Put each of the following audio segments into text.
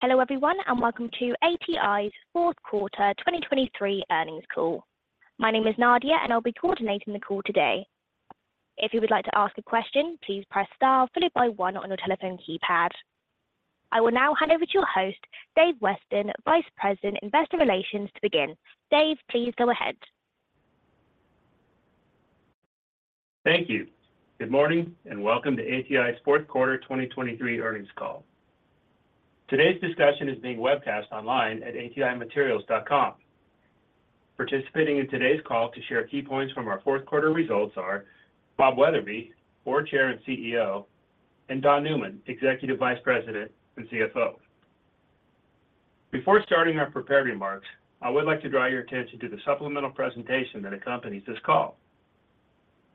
Hello everyone, and welcome to ATI's fourth quarter 2023 earnings call. My name is Nadia, and I'll be coordinating the call today. If you would like to ask a question, please press Star followed by 1 on your telephone keypad. I will now hand over to your host, Dave Weston, Vice President, Investor Relations, to begin. Dave, please go ahead. Thank you. Good morning, and welcome to ATI's fourth quarter 2023 earnings call. Today's discussion is being webcast online at atimaterials.com. Participating in today's call to share key points from our fourth quarter results are Bob Wetherbee, Board Chair and CEO, and Don Newman, Executive Vice President and CFO. Before starting our prepared remarks, I would like to draw your attention to the supplemental presentation that accompanies this call.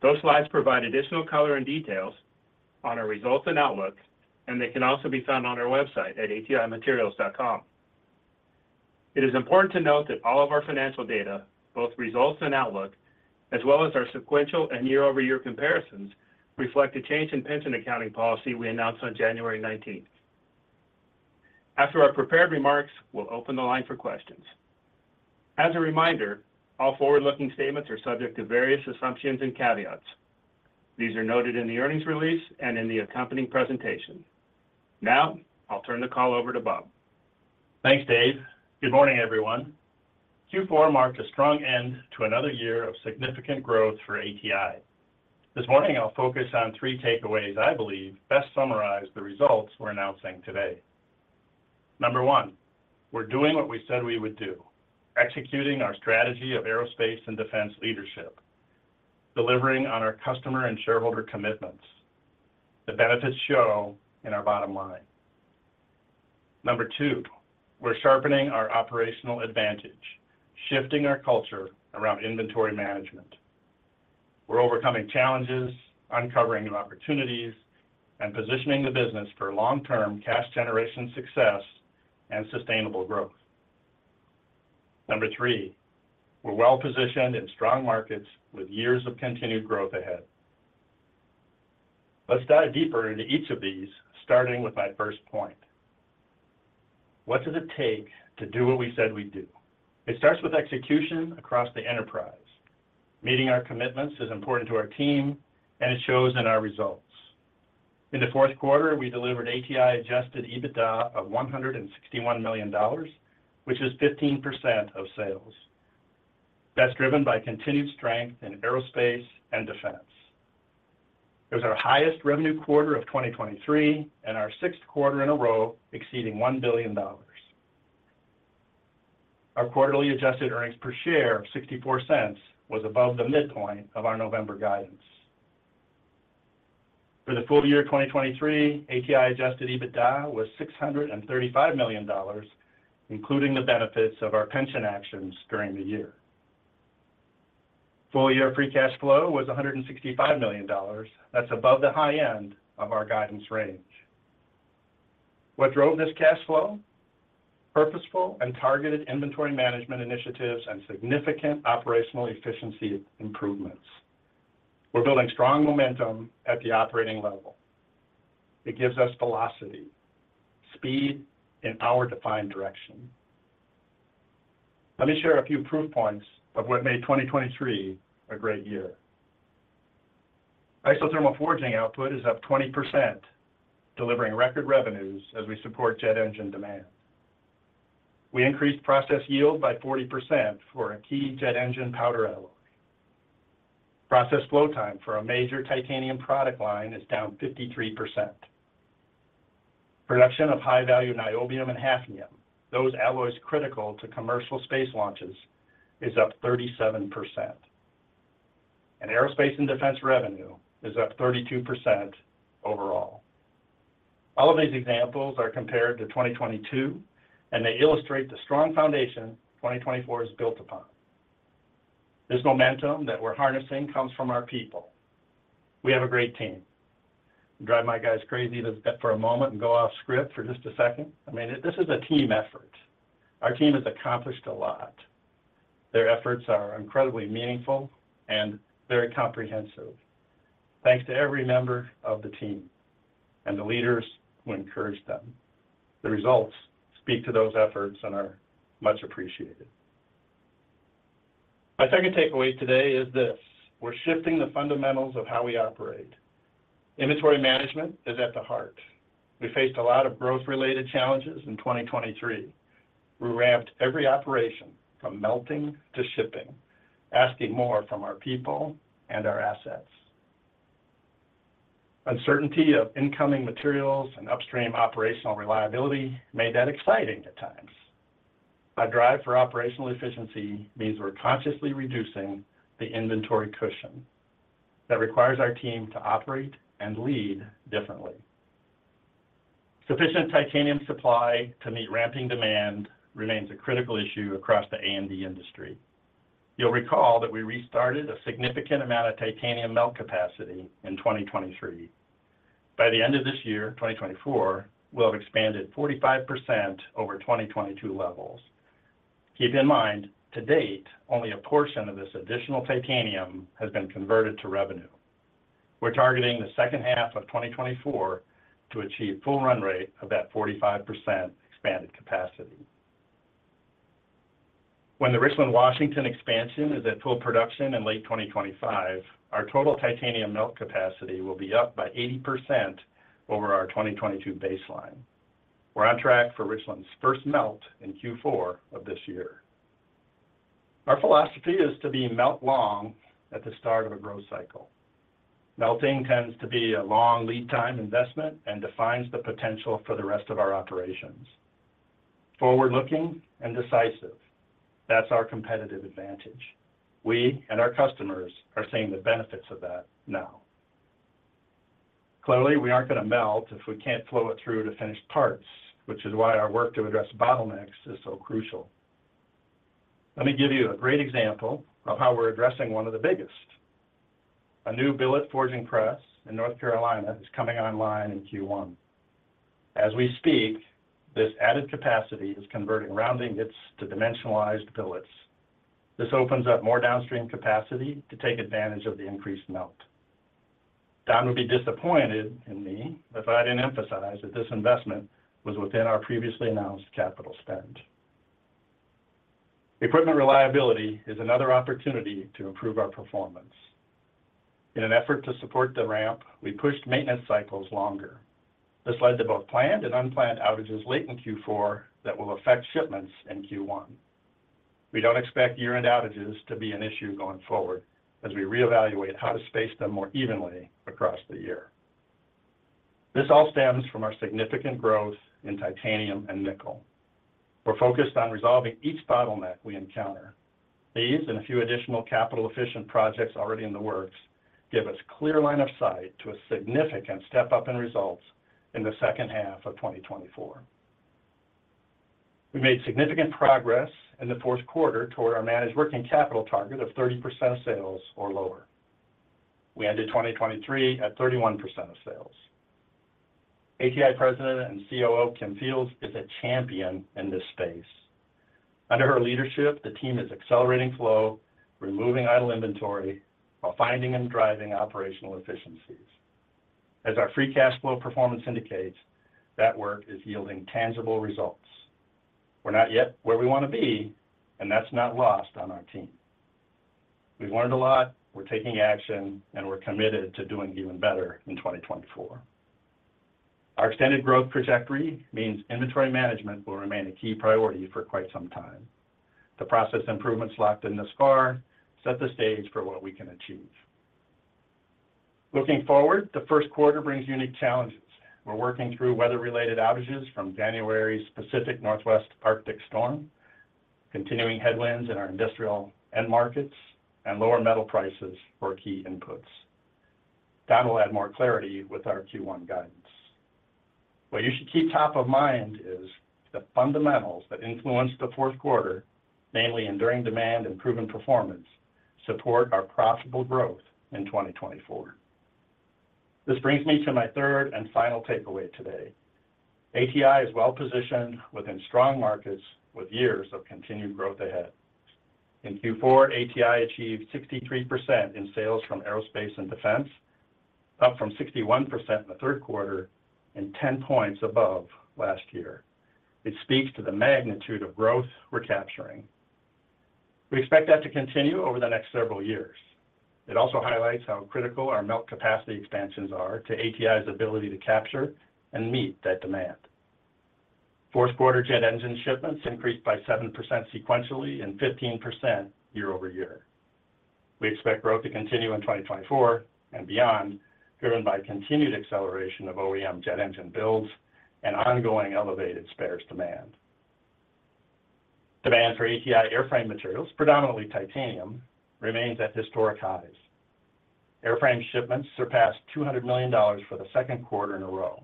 Those slides provide additional color and details on our results and outlook, and they can also be found on our website at atimaterials.com. It is important to note that all of our financial data, both results and outlook, as well as our sequential and year-over-year comparisons, reflect a change in pension accounting policy we announced on January 19. After our prepared remarks, we'll open the line for questions. As a reminder, all forward-looking statements are subject to various assumptions and caveats. These are noted in the earnings release and in the accompanying presentation. Now, I'll turn the call over to Bob. Thanks, Dave. Good morning, everyone. Q4 marked a strong end to another year of significant growth for ATI. This morning, I'll focus on 3 takeaways I believe best summarize the results we're announcing today. 1, we're doing what we said we would do, executing our strategy of aerospace and defense leadership, delivering on our customer and shareholder commitments. The benefits show in our bottom line. 2, we're sharpening our operational advantage, shifting our culture around inventory management. We're overcoming challenges, uncovering opportunities, and positioning the business for long-term cash generation success and sustainable growth. 3, we're well-positioned in strong markets with years of continued growth ahead. Let's dive deeper into each of these, starting with my first point. What does it take to do what we said we'd do? It starts with execution across the enterprise. Meeting our commitments is important to our team, and it shows in our results. In the fourth quarter, we delivered ATI Adjusted EBITDA of $161 million, which is 15% of sales. That's driven by continued strength in aerospace and defense. It was our highest revenue quarter of 2023 and our sixth quarter in a row, exceeding $1 billion. Our quarterly Adjusted Earnings per Share of $0.64 was above the midpoint of our November guidance. For the full year, 2023, ATI Adjusted EBITDA was $635 million, including the benefits of our pension actions during the year. Full year free cash flow was $165 million. That's above the high end of our guidance range. What drove this cash flow? Purposeful and targeted inventory management initiatives and significant operational efficiency improvements. We're building strong momentum at the operating level. It gives us velocity, speed in our defined direction. Let me share a few proof points of what made 2023 a great year. Isothermal forging output is up 20%, delivering record revenues as we support jet engine demand. We increased process yield by 40% for a key jet engine powder alloy. Process flow time for a major titanium product line is down 53%. Production of high-value niobium and hafnium, those alloys critical to commercial space launches, is up 37%, and aerospace and defense revenue is up 32% overall. All of these examples are compared to 2022, and they illustrate the strong foundation 2024 is built upon. This momentum that we're harnessing comes from our people. We have a great team. Drive my guys crazy to step for a moment and go off script for just a second. I mean, this is a team effort. Our team has accomplished a lot. Their efforts are incredibly meaningful and very comprehensive. Thanks to every member of the team and the leaders who encourage them. The results speak to those efforts and are much appreciated. My second takeaway today is this: We're shifting the fundamentals of how we operate. Inventory management is at the heart. We faced a lot of growth-related challenges in 2023. We ramped every operation from melting to shipping, asking more from our people and our assets. Uncertainty of incoming materials and upstream operational reliability made that exciting at times. Our drive for operational efficiency means we're consciously reducing the inventory cushion. That requires our team to operate and lead differently. Sufficient titanium supply to meet ramping demand remains a critical issue across the A&D industry. You'll recall that we restarted a significant amount of titanium melt capacity in 2023. By the end of this year, 2024, we'll have expanded 45% over 2022 levels. Keep in mind, to date, only a portion of this additional titanium has been converted to revenue. We're targeting the second half of 2024 to achieve full run rate of that 45% expanded capacity. When the Richland, Washington expansion is at full production in late 2025, our total titanium melt capacity will be up by 80% over our 2022 baseline. We're on track for Richland's first melt in Q4 of this year. Our philosophy is to be melt long at the start of a growth cycle. Melting tends to be a long lead time investment and defines the potential for the rest of our operations. Forward-looking and decisive, that's our competitive advantage. We and our customers are seeing the benefits of that now. Clearly, we aren't going to melt if we can't flow it through to finished parts, which is why our work to address bottlenecks is so crucial. Let me give you a great example of how we're addressing one of the biggest. A new billet forging press in North Carolina is coming online in Q1. As we speak, this added capacity is converting round ingots to dimensionalized billets. This opens up more downstream capacity to take advantage of the increased melt. Don would be disappointed in me if I didn't emphasize that this investment was within our previously announced capital spend. Equipment reliability is another opportunity to improve our performance. In an effort to support the ramp, we pushed maintenance cycles longer. This led to both planned and unplanned outages late in Q4 that will affect shipments in Q1. We don't expect year-end outages to be an issue going forward as we reevaluate how to space them more evenly across the year. This all stems from our significant growth in titanium and nickel. We're focused on resolving each bottleneck we encounter. These and a few additional capital-efficient projects already in the works, give us clear line of sight to a significant step-up in results in the second half of 2024. We made significant progress in the fourth quarter toward our managed working capital target of 30% of sales or lower. We ended 2023 at 31% of sales. ATI President and COO, Kim Fields, is a champion in this space. Under her leadership, the team is accelerating flow, removing idle inventory, while finding and driving operational efficiencies. As our free cash flow performance indicates, that work is yielding tangible results. We're not yet where we want to be, and that's not lost on our team. We've learned a lot, we're taking action, and we're committed to doing even better in 2024. Our extended growth trajectory means inventory management will remain a key priority for quite some time. The process improvements locked in thus far set the stage for what we can achieve. Looking forward, the first quarter brings unique challenges. We're working through weather-related outages from January's Pacific Northwest Arctic storm, continuing headwinds in our industrial end markets, and lower metal prices for key inputs. Don will add more clarity with our Q1 guidance. What you should keep top of mind is the fundamentals that influenced the fourth quarter, mainly enduring demand and proven performance, support our profitable growth in 2024. This brings me to my third and final takeaway today. ATI is well-positioned within strong markets with years of continued growth ahead. In Q4, ATI achieved 63% in sales from aerospace and defense, up from 61% in the third quarter and 10 points above last year. It speaks to the magnitude of growth we're capturing. We expect that to continue over the next several years. It also highlights how critical our melt capacity expansions are to ATI's ability to capture and meet that demand. Fourth quarter jet engine shipments increased by 7% sequentially and 15% year-over-year. We expect growth to continue in 2024 and beyond, driven by continued acceleration of OEM jet engine builds and ongoing elevated spares demand. Demand for ATI airframe materials, predominantly titanium, remains at historic highs. Airframe shipments surpassed $200 million for the second quarter in a row.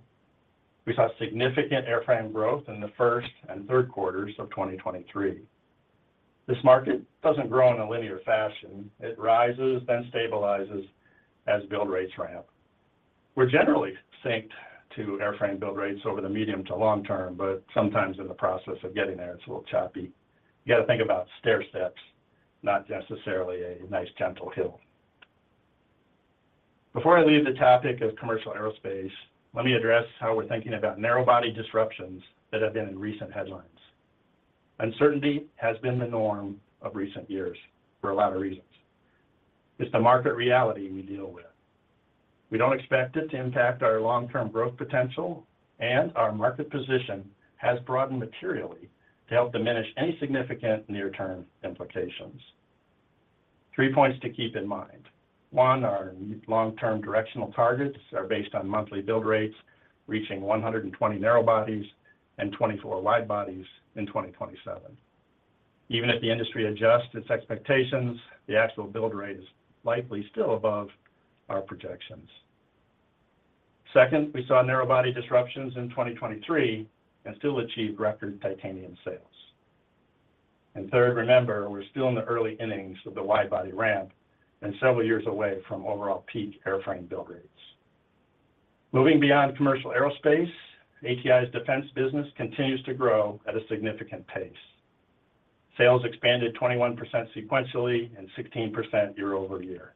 We saw significant airframe growth in the first and third quarters of 2023. This market doesn't grow in a linear fashion. It rises, then stabilizes as build rates ramp. We're generally synced to airframe build rates over the medium to long term, but sometimes in the process of getting there, it's a little choppy. You got to think about stairsteps, not necessarily a nice, gentle hill. Before I leave the topic of commercial aerospace, let me address how we're thinking about narrow body disruptions that have been in recent headlines. Uncertainty has been the norm of recent years for a lot of reasons. It's the market reality we deal with. We don't expect it to impact our long-term growth potential, and our market position has broadened materially to help diminish any significant near-term implications. Three points to keep in mind: One, our long-term directional targets are based on monthly build rates, reaching 120 narrow bodies and 24 wide bodies in 2027. Even if the industry adjusts its expectations, the actual build rate is likely still above our projections. Second, we saw narrow body disruptions in 2023 and still achieved record titanium sales. And third, remember, we're still in the early innings of the wide body ramp and several years away from overall peak airframe build rates. Moving beyond commercial aerospace, ATI's defense business continues to grow at a significant pace. Sales expanded 21% sequentially and 16% year-over-year.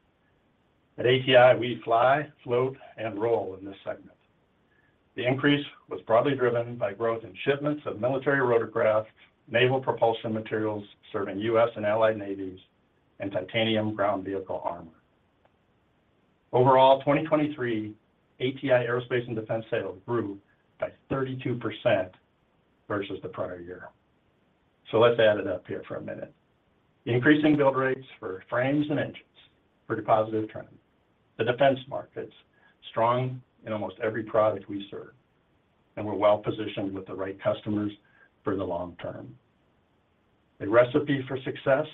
At ATI, we fly, float, and roll in this segment. The increase was broadly driven by growth in shipments of military rotorcraft, naval propulsion materials serving U.S. and allied navies, and titanium ground vehicle armor. Overall, 2023, ATI Aerospace and Defense sales grew by 32% versus the prior year. So let's add it up here for a minute. Increasing build rates for frames and engines are a positive trend. The defense market's strong in almost every product we serve, and we're well-positioned with the right customers for the long term. A recipe for success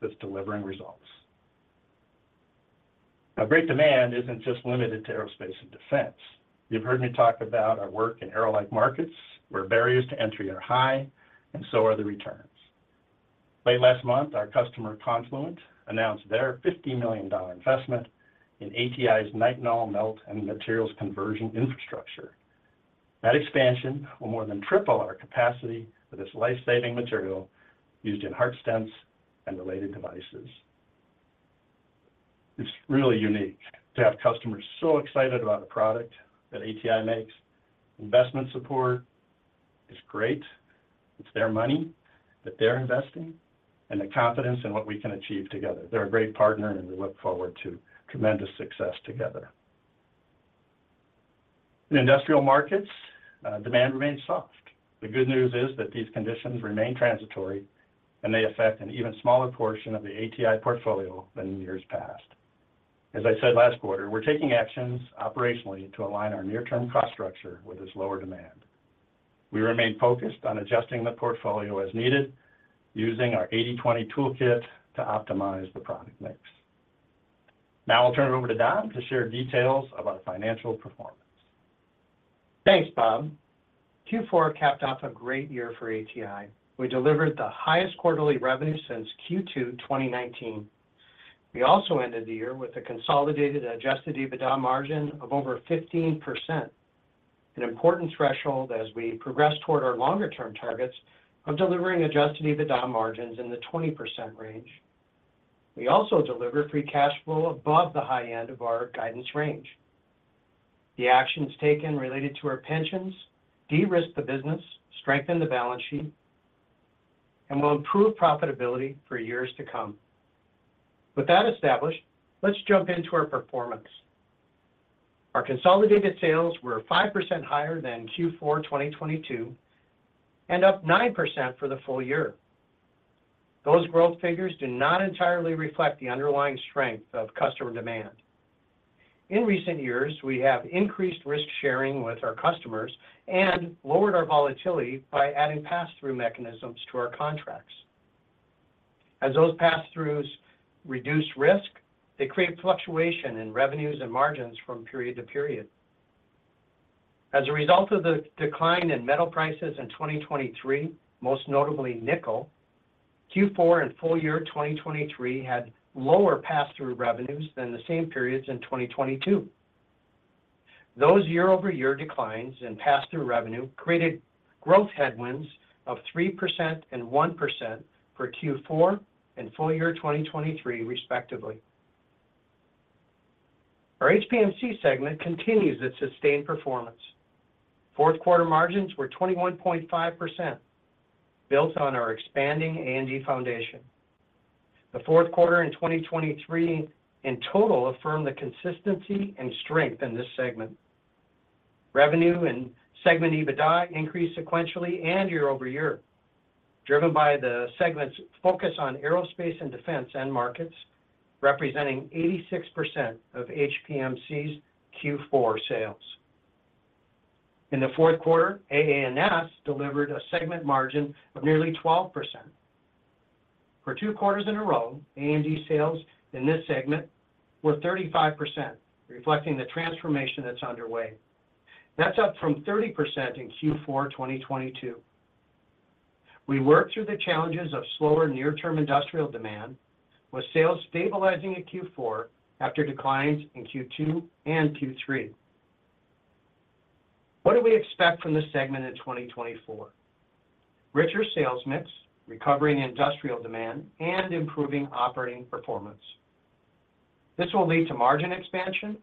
that's delivering results. Now, great demand isn't just limited to aerospace and defense. You've heard me talk about our work in aerolite markets, where barriers to entry are high and so are the returns. Late last month, our customer, Confluent, announced their $50 million investment in ATI's Nitinol melt and materials conversion infrastructure. That expansion will more than triple our capacity for this life-saving material used in heart stents and related devices. It's really unique to have customers so excited about a product that ATI makes. Investment support is great. It's their money that they're investing, and the confidence in what we can achieve together. They're a great partner, and we look forward to tremendous success together. In industrial markets, demand remains soft. The good news is that these conditions remain transitory, and they affect an even smaller portion of the ATI portfolio than in years past. As I said last quarter, we're taking actions operationally to align our near-term cost structure with this lower demand. We remain focused on adjusting the portfolio as needed, using our 80/20 toolkit to optimize the product mix. Now I'll turn it over to Don to share details of our financial performance. Thanks, Bob. Q4 capped off a great year for ATI. We delivered the highest quarterly revenue since Q2 2019. We also ended the year with a consolidated Adjusted EBITDA margin of over 15%, an important threshold as we progress toward our longer-term targets of delivering Adjusted EBITDA margins in the 20% range. We also delivered free cash flow above the high end of our guidance range. The actions taken related to our pensions de-risk the business, strengthen the balance sheet, and will improve profitability for years to come. With that established, let's jump into our performance. Our consolidated sales were 5% higher than Q4 2022 and up 9% for the full year. Those growth figures do not entirely reflect the underlying strength of customer demand. In recent years, we have increased risk sharing with our customers and lowered our volatility by adding pass-through mechanisms to our contracts. As those pass-throughs reduce risk, they create fluctuation in revenues and margins from period to period. As a result of the decline in metal prices in 2023, most notably nickel, Q4 and full year 2023 had lower pass-through revenues than the same periods in 2022. Those year-over-year declines in pass-through revenue created growth headwinds of 3% and 1% for Q4 and full year 2023, respectively. Our HPMC segment continues its sustained performance. Fourth quarter margins were 21.5%, built on our expanding A&D foundation. The fourth quarter in 2023 in total affirmed the consistency and strength in this segment. Revenue and segment EBITDA increased sequentially and year over year, driven by the segment's focus on aerospace and defense end markets, representing 86% of HPMC's Q4 sales. In the fourth quarter, AA&S delivered a segment margin of nearly 12%. For two quarters in a row, A&D sales in this segment were 35%, reflecting the transformation that's underway. That's up from 30% in Q4 2022. We worked through the challenges of slower near-term industrial demand, with sales stabilizing in Q4 after declines in Q2 and Q3. What do we expect from this segment in 2024? Richer sales mix, recovering industrial demand, and improving operating performance. This will lead to margin expansion,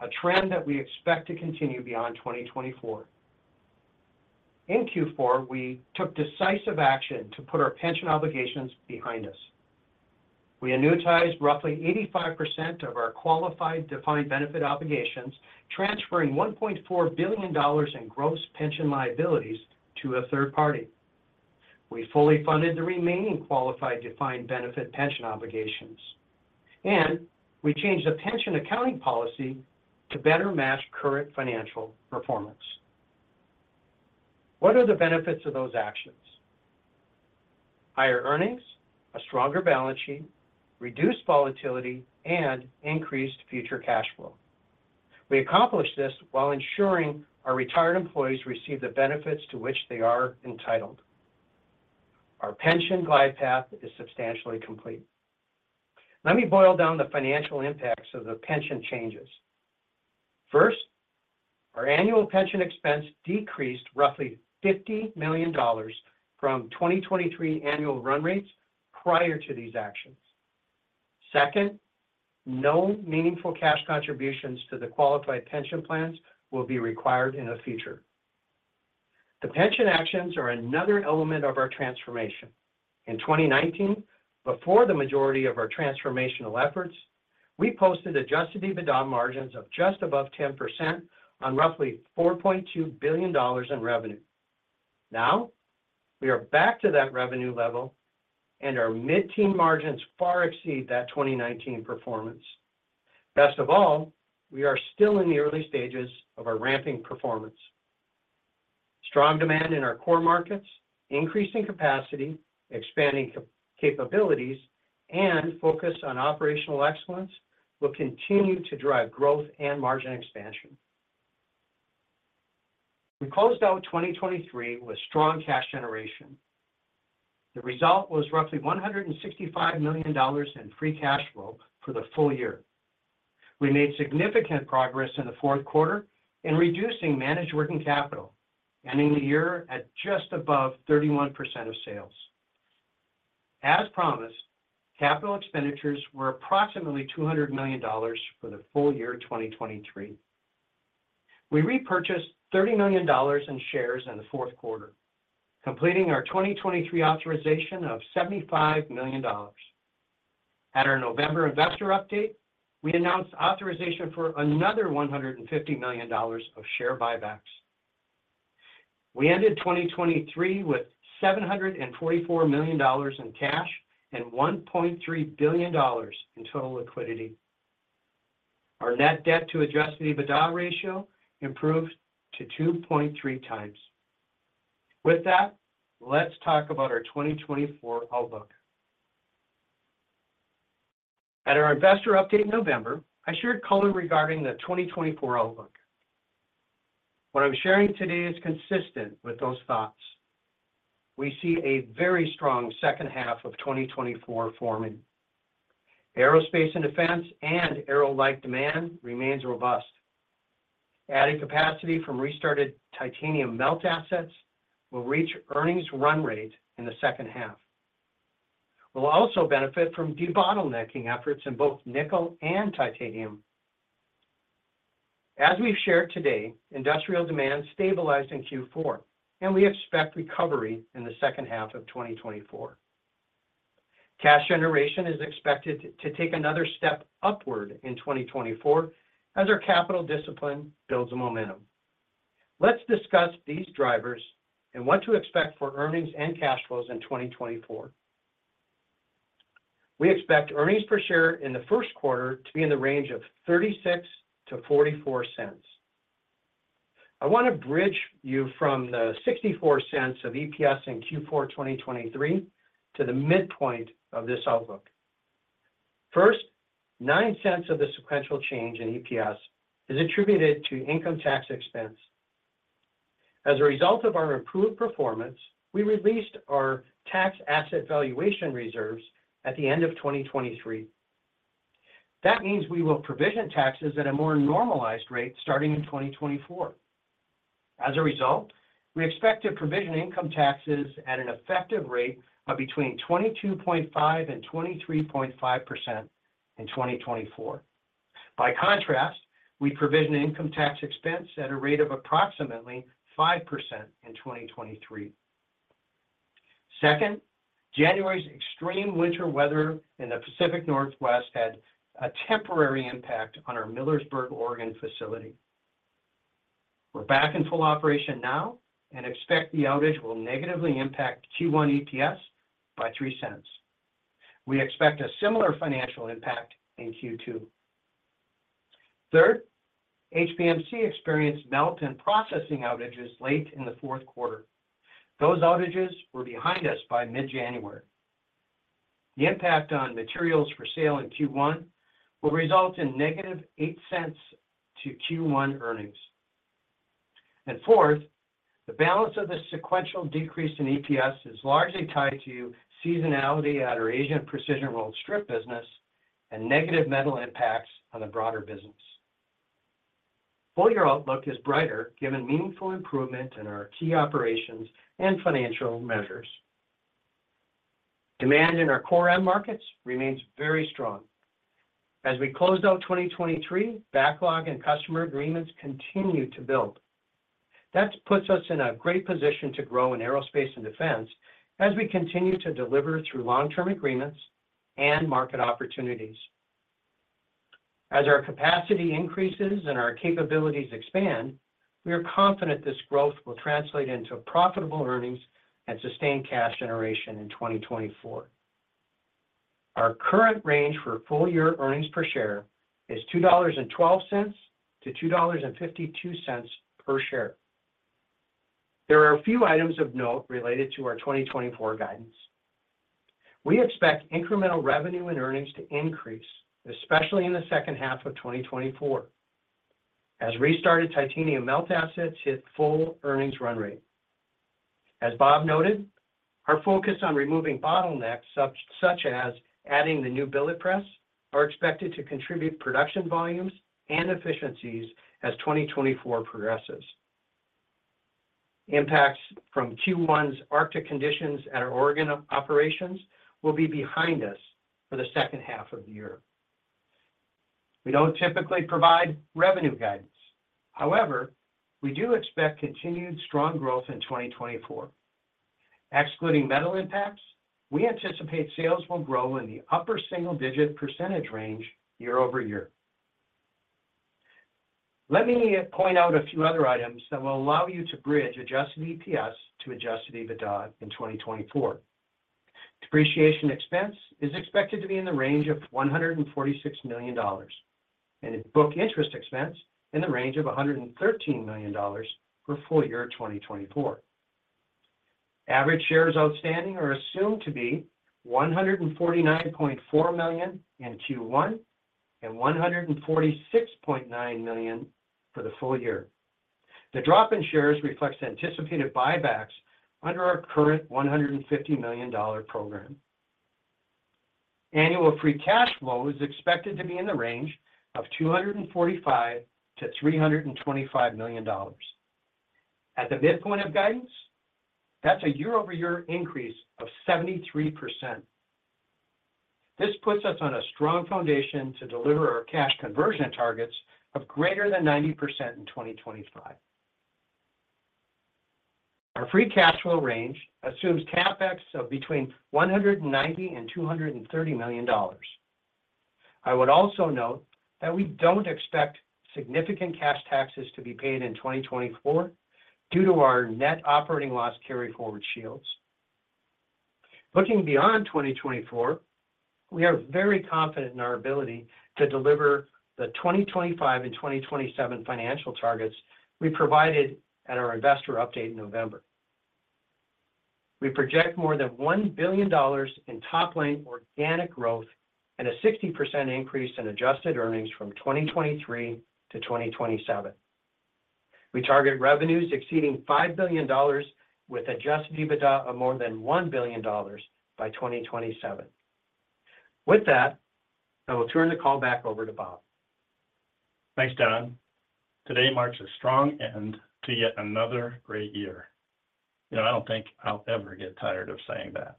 a trend that we expect to continue beyond 2024. In Q4, we took decisive action to put our pension obligations behind us. We annuitized roughly 85% of our qualified defined benefit obligations, transferring $1.4 billion in gross pension liabilities to a third party. We fully funded the remaining qualified defined benefit pension obligations, and we changed the pension accounting policy to better match current financial performance. What are the benefits of those actions? Higher earnings, a stronger balance sheet, reduced volatility, and increased future cash flow. We accomplished this while ensuring our retired employees receive the benefits to which they are entitled. Our pension glide path is substantially complete. Let me boil down the financial impacts of the pension changes. First, our annual pension expense decreased roughly $50 million from 2023 annual run rates prior to these actions. Second, no meaningful cash contributions to the qualified pension plans will be required in the future. The pension actions are another element of our transformation. In 2019, before the majority of our transformational efforts, we posted Adjusted EBITDA margins of just above 10% on roughly $4.2 billion in revenue. Now, we are back to that revenue level, and our mid-teen margins far exceed that 2019 performance. Best of all, we are still in the early stages of our ramping performance. Strong demand in our core markets, increasing capacity, expanding capabilities, and focus on operational excellence will continue to drive growth and margin expansion. We closed out 2023 with strong cash generation. The result was roughly $165 million in free cash flow for the full year. We made significant progress in the fourth quarter in reducing managed working capital, ending the year at just above 31% of sales. As promised, capital expenditures were approximately $200 million for the full year 2023. We repurchased $30 million in shares in the fourth quarter, completing our 2023 authorization of $75 million. At our November investor update, we announced authorization for another $150 million of share buybacks. We ended 2023 with $744 million in cash and $1.3 billion in total liquidity. Our net debt to Adjusted EBITDA ratio improved to 2.3 times. With that, let's talk about our 2024 outlook. At our investor update in November, I shared color regarding the 2024 outlook. What I'm sharing today is consistent with those thoughts. We see a very strong second half of 2024 forming. Aerospace and defense and aero-like demand remains robust. Adding capacity from restarted titanium melt assets will reach earnings run rate in the second half. We'll also benefit from debottlenecking efforts in both nickel and titanium. As we've shared today, industrial demand stabilized in Q4, and we expect recovery in the second half of 2024. Cash generation is expected to take another step upward in 2024 as our capital discipline builds momentum. Let's discuss these drivers and what to expect for earnings and cash flows in 2024. We expect earnings per share in the first quarter to be in the range of $0.36-$0.44. I want to bridge you from the $0.64 of EPS in Q4 2023 to the midpoint of this outlook. First, $0.09 of the sequential change in EPS is attributed to income tax expense. As a result of our improved performance, we released our tax asset valuation reserves at the end of 2023. That means we will provision taxes at a more normalized rate starting in 2024. As a result, we expect to provision income taxes at an effective rate of between 22.5% and 23.5% in 2024. By contrast, we provisioned income tax expense at a rate of approximately 5% in 2023. Second, January's extreme winter weather in the Pacific Northwest had a temporary impact on our Millersburg, Oregon, facility. We're back in full operation now and expect the outage will negatively impact Q1 EPS by $0.03. We expect a similar financial impact in Q2. Third, HPMC experienced melt and processing outages late in the fourth quarter. Those outages were behind us by mid-January. The impact on materials for sale in Q1 will result in negative $0.08 to Q1 earnings. Fourth, the balance of the sequential decrease in EPS is largely tied to seasonality at our Asian precision rolled strip business and negative metal impacts on the broader business. Full-year outlook is brighter, given meaningful improvement in our key operations and financial measures. Demand in our core end markets remains very strong. As we closed out 2023, backlog and customer agreements continued to build. That puts us in a great position to grow in aerospace and defense as we continue to deliver through long-term agreements and market opportunities. As our capacity increases and our capabilities expand, we are confident this growth will translate into profitable earnings and sustained cash generation in 2024. Our current range for full-year earnings per share is $2.12-2.52 per share. There are a few items of note related to our 2024 guidance. We expect incremental revenue and earnings to increase, especially in the second half of 2024, as restarted titanium melt assets hit full earnings run rate. As Bob noted, our focus on removing bottlenecks, such as adding the new billet press, are expected to contribute production volumes and efficiencies as 2024 progresses. Impacts from Q1's Arctic conditions at our Oregon operations will be behind us for the second half of the year. We don't typically provide revenue guidance. However, we do expect continued strong growth in 2024. Excluding metal impacts, we anticipate sales will grow in the upper single-digit % range year-over-year. Let me point out a few other items that will allow you to bridge adjusted EPS to Adjusted EBITDA in 2024. Depreciation expense is expected to be in the range of $146 million, and book interest expense in the range of $113 million for full year 2024. Average shares outstanding are assumed to be 149.4 million in Q1 and 146.9 million for the full year. The drop in shares reflects the anticipated buybacks under our current $150 million program. Annual free cash flow is expected to be in the range of $245 million-$325 million. At the midpoint of guidance, that's a year-over-year increase of 73%. This puts us on a strong foundation to deliver our cash conversion targets of greater than 90% in 2025. Our free cash flow range assumes CapEx of between $190 million and $230 million. I would also note that we don't expect significant cash taxes to be paid in 2024 due to our net operating loss carryforward shields. Looking beyond 2024, we are very confident in our ability to deliver the 2025 and 2027 financial targets we provided at our investor update in November. We project more than $1 billion in top-line organic growth and a 60% increase in adjusted earnings from 2023 to 2027. We target revenues exceeding $5 billion with Adjusted EBITDA of more than $1 billion by 2027. With that, I will turn the call back over to Bob. Thanks, Don. Today marks a strong end to yet another great year. You know, I don't think I'll ever get tired of saying that.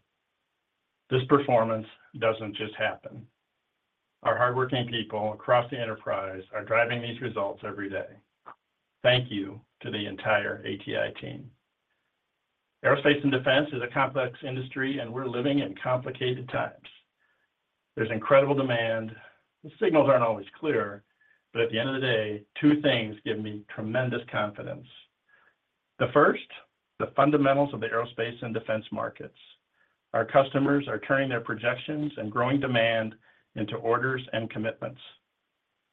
This performance doesn't just happen. Our hardworking people across the enterprise are driving these results every day. Thank you to the entire ATI team. Aerospace and defense is a complex industry, and we're living in complicated times. There's incredible demand. The signals aren't always clear, but at the end of the day, two things give me tremendous confidence. The first, the fundamentals of the aerospace and defense markets. Our customers are turning their projections and growing demand into orders and commitments.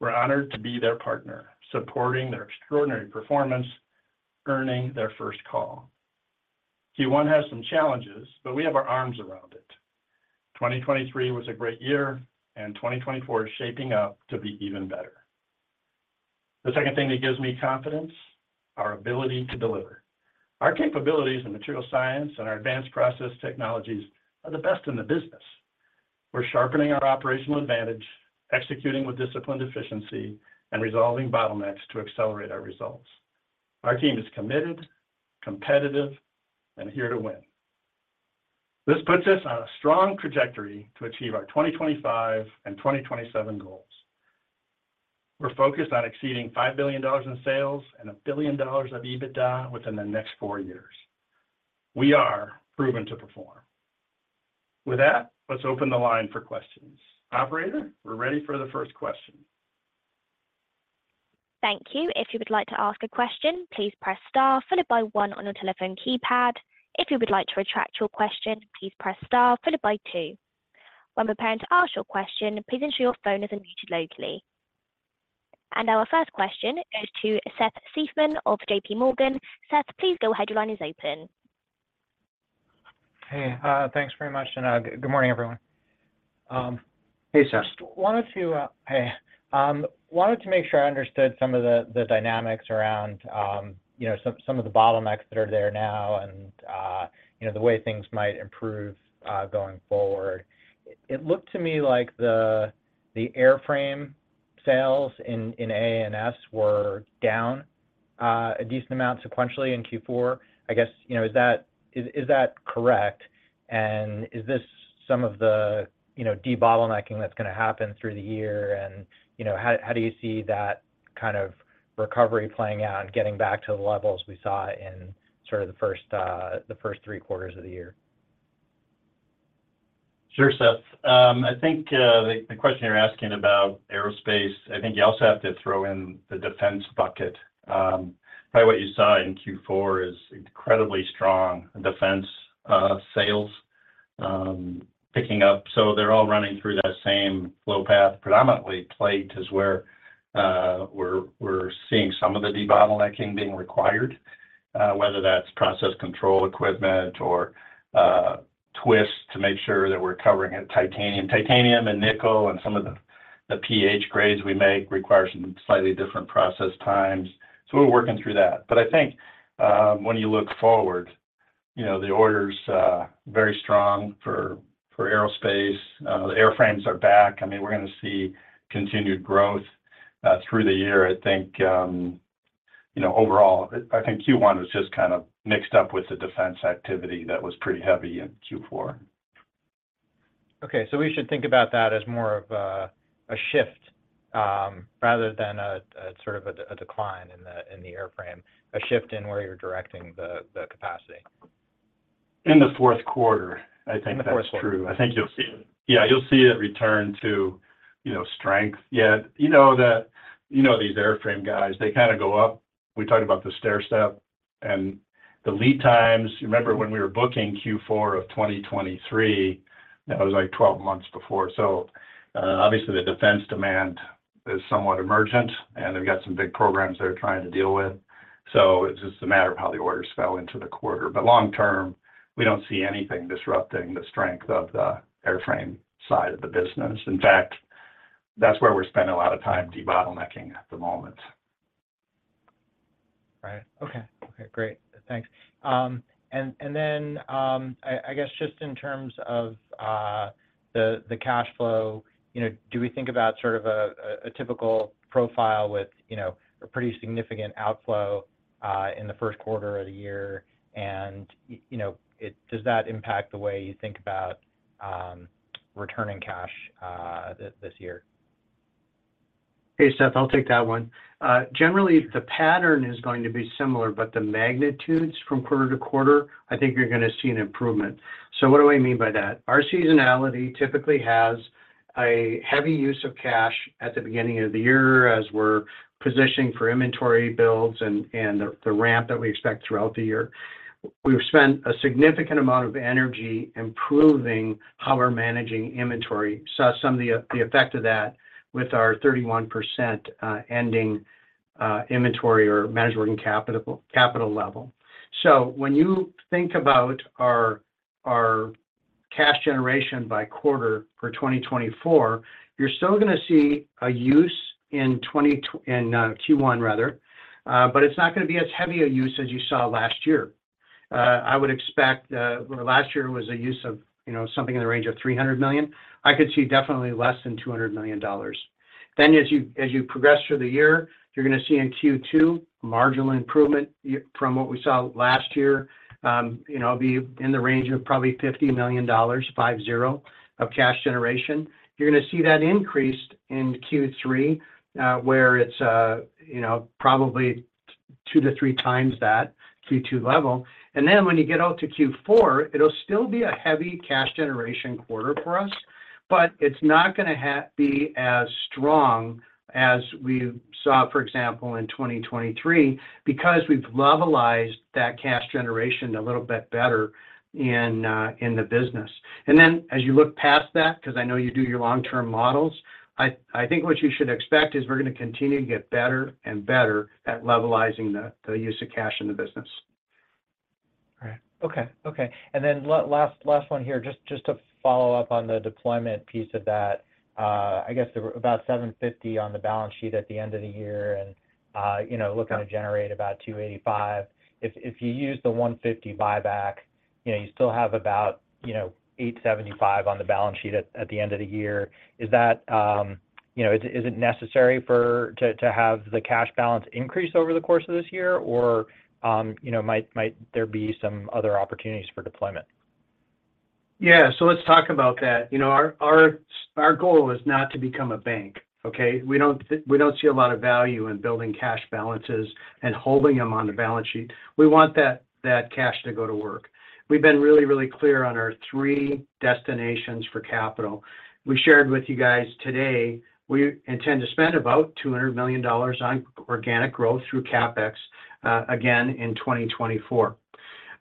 We're honored to be their partner, supporting their extraordinary performance, earning their first call. Q1 has some challenges, but we have our arms around it. 2023 was a great year, and 2024 is shaping up to be even better. The second thing that gives me confidence, our ability to deliver. Our capabilities in material science and our advanced process technologies are the best in the business. We're sharpening our operational advantage, executing with disciplined efficiency, and resolving bottlenecks to accelerate our results. Our team is committed, competitive, and here to win. This puts us on a strong trajectory to achieve our 2025 and 2027 goals. We're focused on exceeding $5 billion in sales and $1 billion of EBITDA within the next 4 years. We are proven to perform. With that, let's open the line for questions. Operator, we're ready for the first question. Thank you. If you would like to ask a question, please press star, followed by one on your telephone keypad. If you would like to retract your question, please press star followed by two. When preparing to ask your question, please ensure your phone is unmuted locally. Our first question goes to Seth Seifman of JPMorgan. Seth, please go ahead. Your line is open. Hey, thanks very much, and, good morning, everyone. Hey, Seth. Wanted to make sure I understood some of the dynamics around you know some of the bottlenecks that are there now and you know the way things might improve going forward. It looked to me like the airframe sales in A and S were down a decent amount sequentially in Q4. I guess you know is that correct? And is this some of the you know debottlenecking that's gonna happen through the year? And you know how do you see that kind of recovery playing out and getting back to the levels we saw in sort of the first three quarters of the year? Sure, Seth. I think the question you're asking about aerospace, I think you also have to throw in the defense bucket. Probably what you saw in Q4 is incredibly strong defense sales picking up. So they're all running through that same flow path, predominantly plate is where we're seeing some of the debottlenecking being required. Whether that's process control equipment or twists to make sure that we're covering it. Titanium and nickel, and some of the PH grades we make require some slightly different process times. So we're working through that. But I think when you look forward, you know, the order's very strong for aerospace. The airframes are back. I mean, we're gonna see continued growth through the year.I think, you know, overall, I think Q1 was just kind of mixed up with the defense activity that was pretty heavy in Q4. Okay, so we should think about that as more of a shift, rather than a sort of a decline in the airframe, a shift in where you're directing the capacity? In the fourth quarter- In the fourth quarter. I think that's true. I think you'll see... Yeah, you'll see it return to, you know, strength. Yet, you know the, you know these airframe guys, they kind of go up. We talked about the stairstep and the lead times. You remember when we were booking Q4 of 2023, that was like 12 months before. So, obviously, the defense demand is somewhat emergent, and they've got some big programs they're trying to deal with. So it's just a matter of how the orders fell into the quarter. But long term, we don't see anything disrupting the strength of the airframe side of the business. In fact, that's where we're spending a lot of time debottlenecking at the moment. Right. Okay. Okay, great. Thanks. And then, I guess, just in terms of the cash flow, you know, do we think about sort of a typical profile with, you know, a pretty significant outflow in the first quarter of the year? And you know, does that impact the way you think about returning cash this year? Hey, Seth, I'll take that one. Generally, the pattern is going to be similar, but the magnitudes from quarter to quarter, I think you're gonna see an improvement. So what do I mean by that? Our seasonality typically has a heavy use of cash at the beginning of the year, as we're positioning for inventory builds and the ramp that we expect throughout the year. We've spent a significant amount of energy improving how we're managing inventory. Saw some of the effect of that with our 31% ending inventory or managed working capital level. So when you think about our cash generation by quarter for 2024, you're still gonna see a use in Q1 rather, but it's not gonna be as heavy a use as you saw last year. I would expect, last year was a use of, you know, something in the range of $300 million. I could see definitely less than $200 million. Then, as you, as you progress through the year, you're gonna see in Q2, marginal improvement from what we saw last year, you know, be in the range of probably $50 million, 50, of cash generation. You're gonna see that increased in Q3, where it's, you know, probably two to three times that Q2 level. And then when you get out to Q4, it'll still be a heavy cash generation quarter for us, but it's not gonna be as strong as we saw, for example, in 2023, because we've levelized that cash generation a little bit better in, in the business. And then, as you look past that, 'cause I know you do your long-term models, I, I think what you should expect is we're gonna continue to get better and better at levelizing the, the use of cash in the business. Right. Okay. Okay. And then last one here, just to follow up on the deployment piece of that. I guess there were about $750 on the balance sheet at the end of the year and, you know- Yeah Looking to generate about $285 million. If you use the $150 million buyback, you know, you still have about, you know, $875 million on the balance sheet at the end of the year. Is that, you know, is it necessary to have the cash balance increase over the course of this year, or, you know, might there be some other opportunities for deployment? Yeah. So let's talk about that. You know, our goal is not to become a bank, okay? We don't- we don't see a lot of value in building cash balances and holding them on the balance sheet. We want that cash to go to work. We've been really, really clear on our three destinations for capital. We shared with you guys today, we intend to spend about $200 million on organic growth through CapEx, again, in 2024.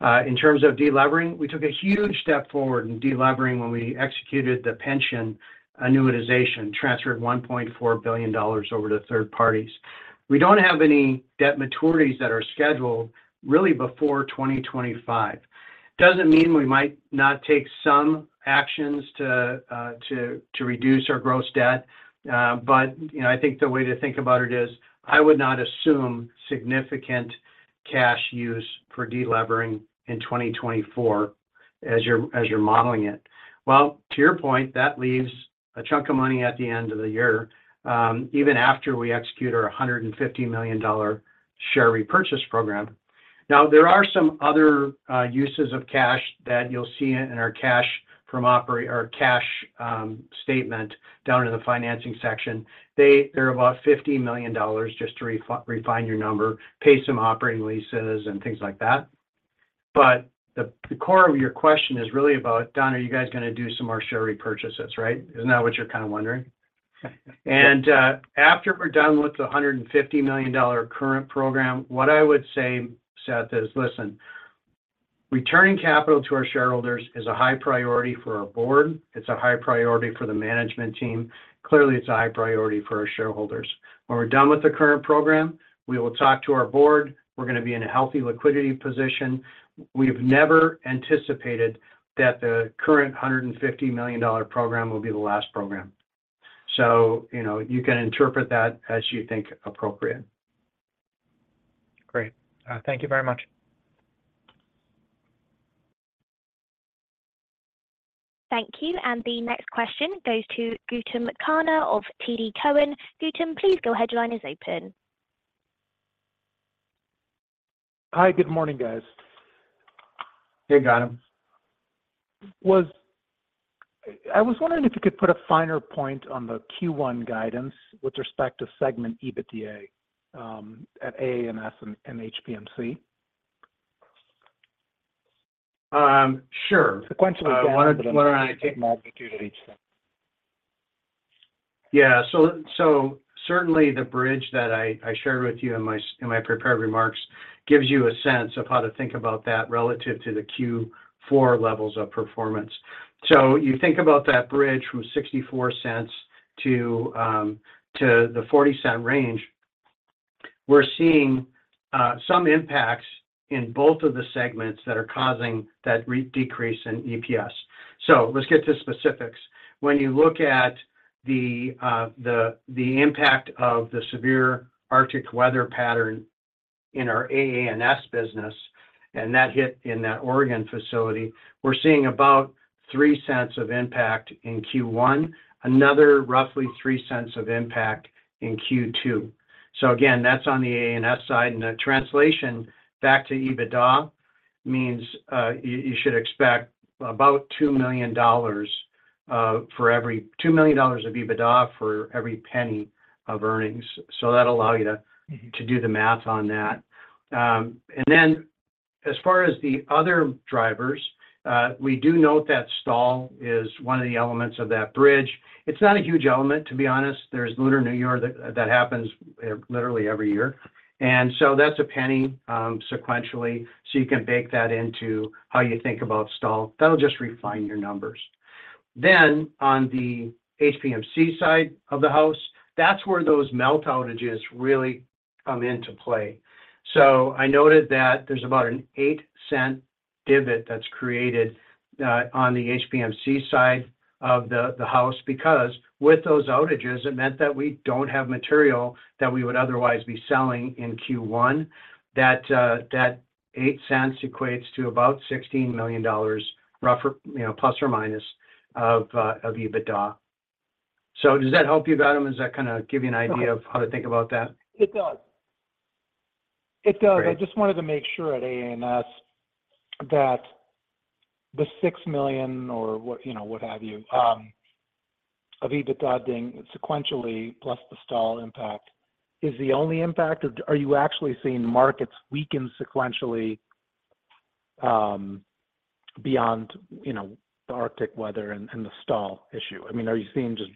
In terms of delevering, we took a huge step forward in delevering when we executed the pension annuitization, transferred $1.4 billion over to third parties. We don't have any debt maturities that are scheduled really before 2025. Doesn't mean we might not take some actions to reduce our gross debt, but, you know, I think the way to think about it is, I would not assume significant cash use for delevering in 2024, as you're modeling it. Well, to your point, that leaves a chunk of money at the end of the year, even after we execute our $150 million share repurchase program. Now, there are some other uses of cash that you'll see in our cash statement down in the financing section. They're about $50 million, just to refine your number, pay some operating leases and things like that. But the core of your question is really about, "Don, are you guys gonna do some more share repurchases," right? Isn't that what you're kind of wondering? Yeah. After we're done with the $150 million current program, what I would say, Seth, is, listen, returning capital to our shareholders is a high priority for our board. It's a high priority for the management team. Clearly, it's a high priority for our shareholders. When we're done with the current program, we will talk to our board. We're going to be in a healthy liquidity position. We've never anticipated that the current $150 million program will be the last program. So, you know, you can interpret that as you think appropriate. Great. Thank you very much. Thank you. And the next question goes to Gautam Khanna of TD Cowen. Gautam, please go ahead. Line is open. Hi, good morning, guys. Hey, Gautam. I was wondering if you could put a finer point on the Q1 guidance with respect to segment EBITDA at AA&S and HPMC? Sure. Sequentially down- Why don't I take magnitude of each then? Yeah, so, so certainly the bridge that I, I shared with you in my in my prepared remarks gives you a sense of how to think about that relative to the Q4 levels of performance. So you think about that bridge from $0.64 to the $0.40 range. We're seeing some impacts in both of the segments that are causing that re-decrease in EPS. So let's get to specifics. When you look at the the impact of the severe Arctic weather pattern in our AA&S business, and that hit in that Oregon facility, we're seeing about $0.03 of impact in Q1, another roughly $0.03 of impact in Q2. So again, that's on the AA&S side, and the translation back to EBITDA means, you, you should expect about $2 million, for every two million dollars of EBITDA for every penny of earnings. So that'll allow you to, to do the math on that. And then as far as the other drivers, we do note that sales is one of the elements of that bridge. It's not a huge element, to be honest. There's Lunar New Year that, that happens, literally every year. And so that's a penny, sequentially. So you can bake that into how you think about sales. That'll just refine your numbers. Then on the HPMC side of the house, that's where those melt outages really come into play. So I noted that there's about an 8-cent divot that's created on the HPMC side of the house, because with those outages, it meant that we don't have material that we would otherwise be selling in Q1. That 8 cents equates to about $16 million, roughly—you know, plus or minus—of EBITDA. So does that help you, Gautam? Does that kind of give you an idea of how to think about that? It does. It does. Great. I just wanted to make sure at AA&S that the $6 million or what, you know, what have you, of EBITDA being sequentially plus the stall impact is the only impact. Or are you actually seeing markets weaken sequentially, beyond, you know, the Arctic weather and the stall issue? I mean, are you seeing just,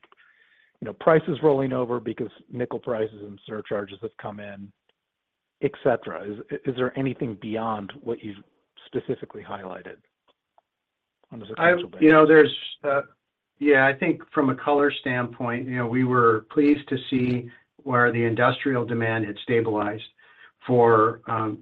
you know, prices rolling over because nickel prices and surcharges have come in, et cetera. Is there anything beyond what you've specifically highlighted on the sequential base? You know, there's... Yeah, I think from a color standpoint, you know, we were pleased to see where the industrial demand had stabilized for the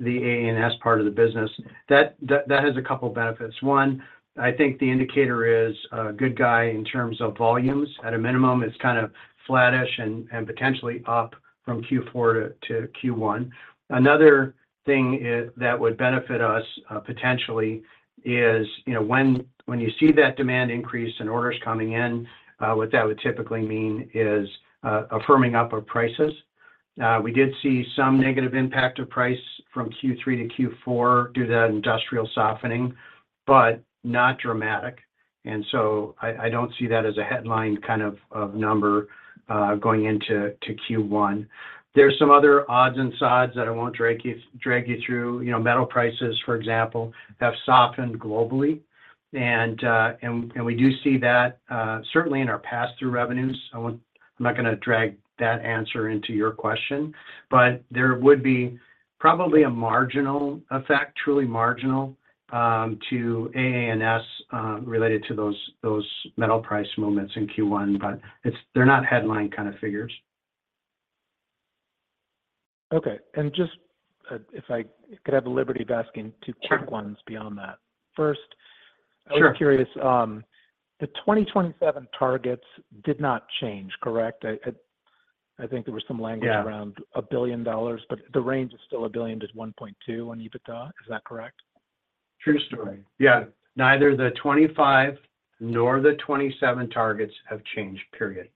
AA&S part of the business. That has a couple of benefits. One, I think the indicator is a good guy in terms of volumes. At a minimum, it's kind of flattish and potentially up from Q4 to Q1. Another thing is that would benefit us potentially is, you know, when you see that demand increase and orders coming in, what that would typically mean is a firming up of prices. We did see some negative impact of price from Q3 to Q4 due to that industrial softening, but not dramatic. So I don't see that as a headline kind of number going into Q1. There's some other odds and sods that I won't drag you through. You know, metal prices, for example, have softened globally. And we do see that certainly in our pass-through revenues. I'm not going to drag that answer into your question, but there would be probably a marginal effect, truly marginal, to AA&S related to those metal price movements in Q1, but they're not headline kind of figures. Okay. Just, if I could have the liberty of asking two quick ones beyond that. Sure. First, I was curious, the 2027 targets did not change, correct? I think there was some language- Yeah ..Around $1 billion, but the range is still $1 billion-$1.2 billion on EBITDA. Is that correct? True story. Yeah. Neither the 25 nor the 27 targets have changed, period.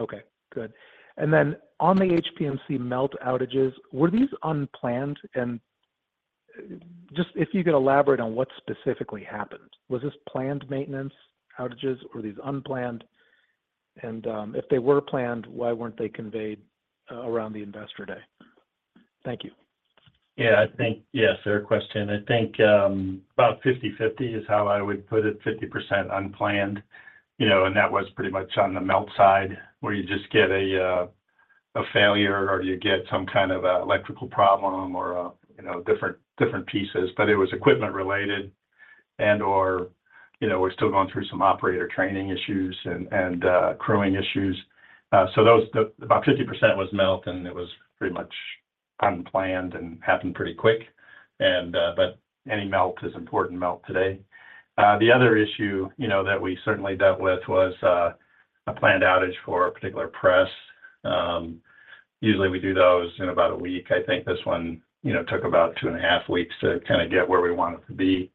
Okay, good. And then on the HPMC melt outages, were these unplanned? And just if you could elaborate on what specifically happened. Was this planned maintenance outages, or were these unplanned? And, if they were planned, why weren't they conveyed around the Investor Day? Thank you. Yeah, I think, yes, fair question. I think, about 50/50 is how I would put it, 50% unplanned. You know, and that was pretty much on the melt side, where you just get a, a failure, or you get some kind of, electrical problem or, you know, different, different pieces. But it was equipment related and, or, you know, we're still going through some operator training issues and, and, crewing issues. So those—the, about 50% was melt, and it was pretty much unplanned and happened pretty quick. And, but any melt is important melt today. The other issue, you know, that we certainly dealt with was, a planned outage for a particular press. Usually, we do those in about a week. I think this one, you know, took about two and a half weeks to kind of get where we want it to be.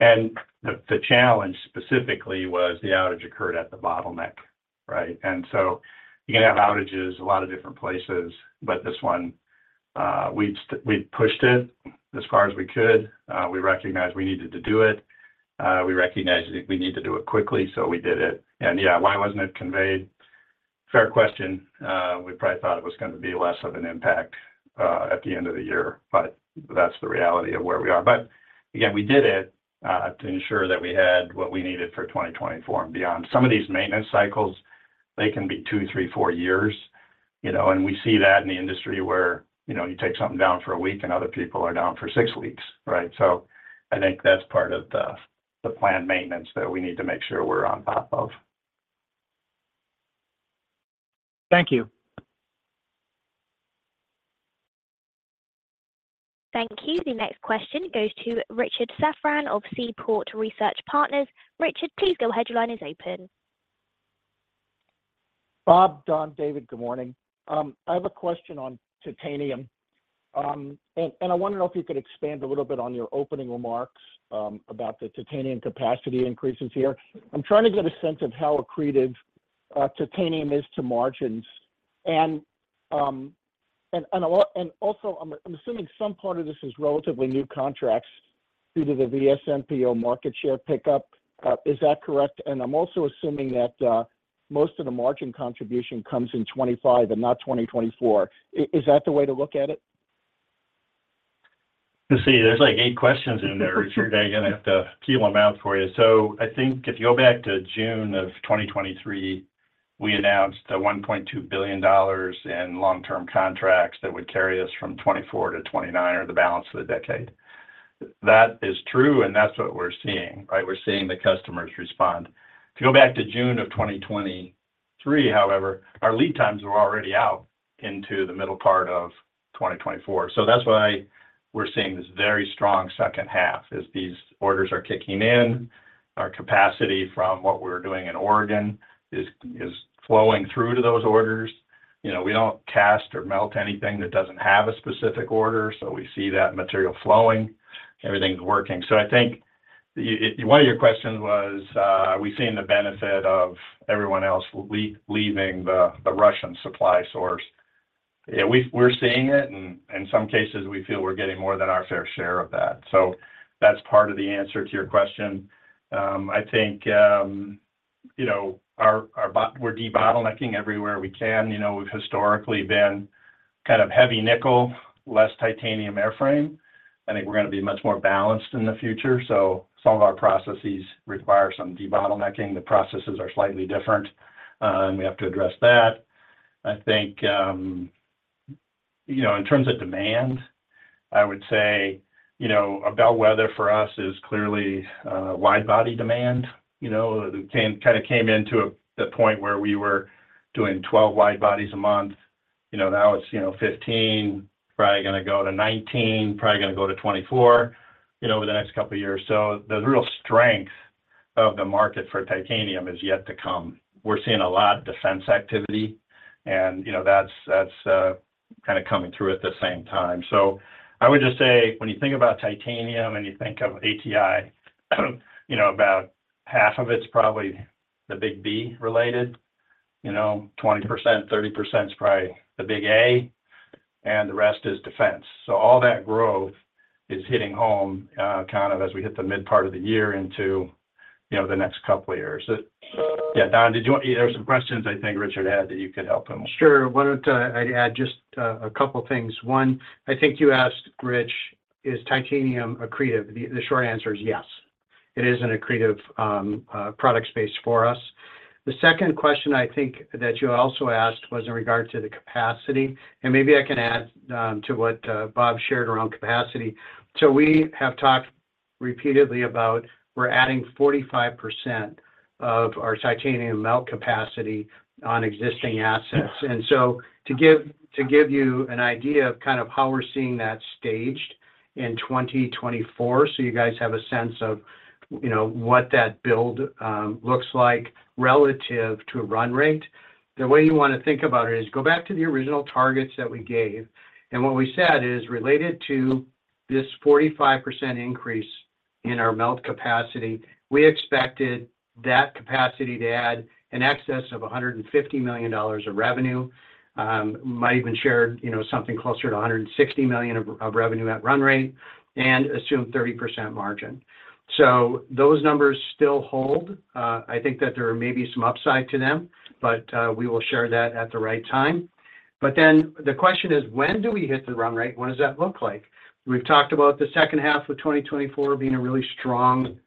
The challenge specifically was the outage occurred at the bottleneck, right? So you can have outages a lot of different places, but this one, we just—we pushed it as far as we could. We recognized we needed to do it, we recognized that we need to do it quickly, so we did it. Yeah, why wasn't it conveyed? Fair question. We probably thought it was gonna be less of an impact at the end of the year, but that's the reality of where we are. But again, we did it to ensure that we had what we needed for 2024 and beyond. Some of these maintenance cycles, they can betwo, three, four years, you know, and we see that in the industry where, you know, you take something down for a week and other people are down for 6 weeks, right? So I think that's part of the, the planned maintenance that we need to make sure we're on top of. Thank you. Thank you. The next question goes to Richard Safran of Seaport Research Partners. Richard, please go. Your line is open. Bob, Don, David, good morning. I have a question on titanium. I want to know if you could expand a little bit on your opening remarks about the titanium capacity increases here. I'm trying to get a sense of how accretive titanium is to margins. And also, I'm assuming some part of this is relatively new contracts due to the VSMPO or market share pickup. Is that correct? And I'm also assuming that most of the margin contribution comes in 25 and not 2024. Is that the way to look at it? You see, there's like eight questions in there, Richard. I'm gonna have to peel them out for you. So I think if you go back to June of 2023, we announced $1.2 billion in long-term contracts that would carry us from 2024 to 2029, or the balance of the decade. That is true, and that's what we're seeing, right? We're seeing the customers respond. To go back to June of 2023, however, our lead times were already out into the middle part of 2024. So that's why we're seeing this very strong second half, is these orders are kicking in. Our capacity from what we're doing in Oregon is flowing through to those orders. You know, we don't cast or melt anything that doesn't have a specific order, so we see that material flowing, everything's working. So I think one of your questions was, are we seeing the benefit of everyone else leaving the Russian supply source? Yeah, we're seeing it, and in some cases, we feel we're getting more than our fair share of that. So that's part of the answer to your question. I think, you know, we're debottlenecking everywhere we can. You know, we've historically been kind of heavy nickel, less titanium airframe. I think we're gonna be much more balanced in the future, so some of our processes require some debottlenecking. The processes are slightly different, and we have to address that. I think, you know, in terms of demand, I would say, you know, a bellwether for us is clearly wide-body demand. You know, it came, kind of came into the point where we were doing 12 wide-bodies a month. You know, now it's, you know, 15, probably gonna go to 19, probably gonna go to 24, you know, over the next couple of years. So the real strength of the market for titanium is yet to come. We're seeing a lot of defense activity, and, you know, that's, that's, kind of coming through at the same time. So I would just say, when you think about titanium and you think of ATI, you know, about half of it's probably the big B related, you know, 20%, 30% is probably the big A, and the rest is defense. So all that growth is hitting home, kind of as we hit the mid part of the year into, you know, the next couple of years. So, yeah, Don, did you want... There were some questions I think Richard had that you could help him with. Sure. Why don't I add just a couple of things. One, I think you asked, Rich, is titanium accretive? The short answer is yes. It is an accretive product space for us. The second question I think that you also asked was in regard to the capacity, and maybe I can add to what Bob shared around capacity. So we have talked repeatedly about we're adding 45% of our titanium melt capacity on existing assets. And so to give you an idea of kind of how we're seeing that staged in 2024, so you guys have a sense of, you know, what that build looks like relative to a run rate. The way you want to think about it is go back to the original targets that we gave, and what we said is related to this 45% increase in our melt capacity, we expected that capacity to add in excess of $150 million of revenue. Might even share, you know, something closer to $160 million of revenue at run rate and assume 30% margin. So those numbers still hold. I think that there may be some upside to them, but we will share that at the right time. But then the question is, when do we hit the run rate? What does that look like? We've talked about the second half of 2024 being a really strong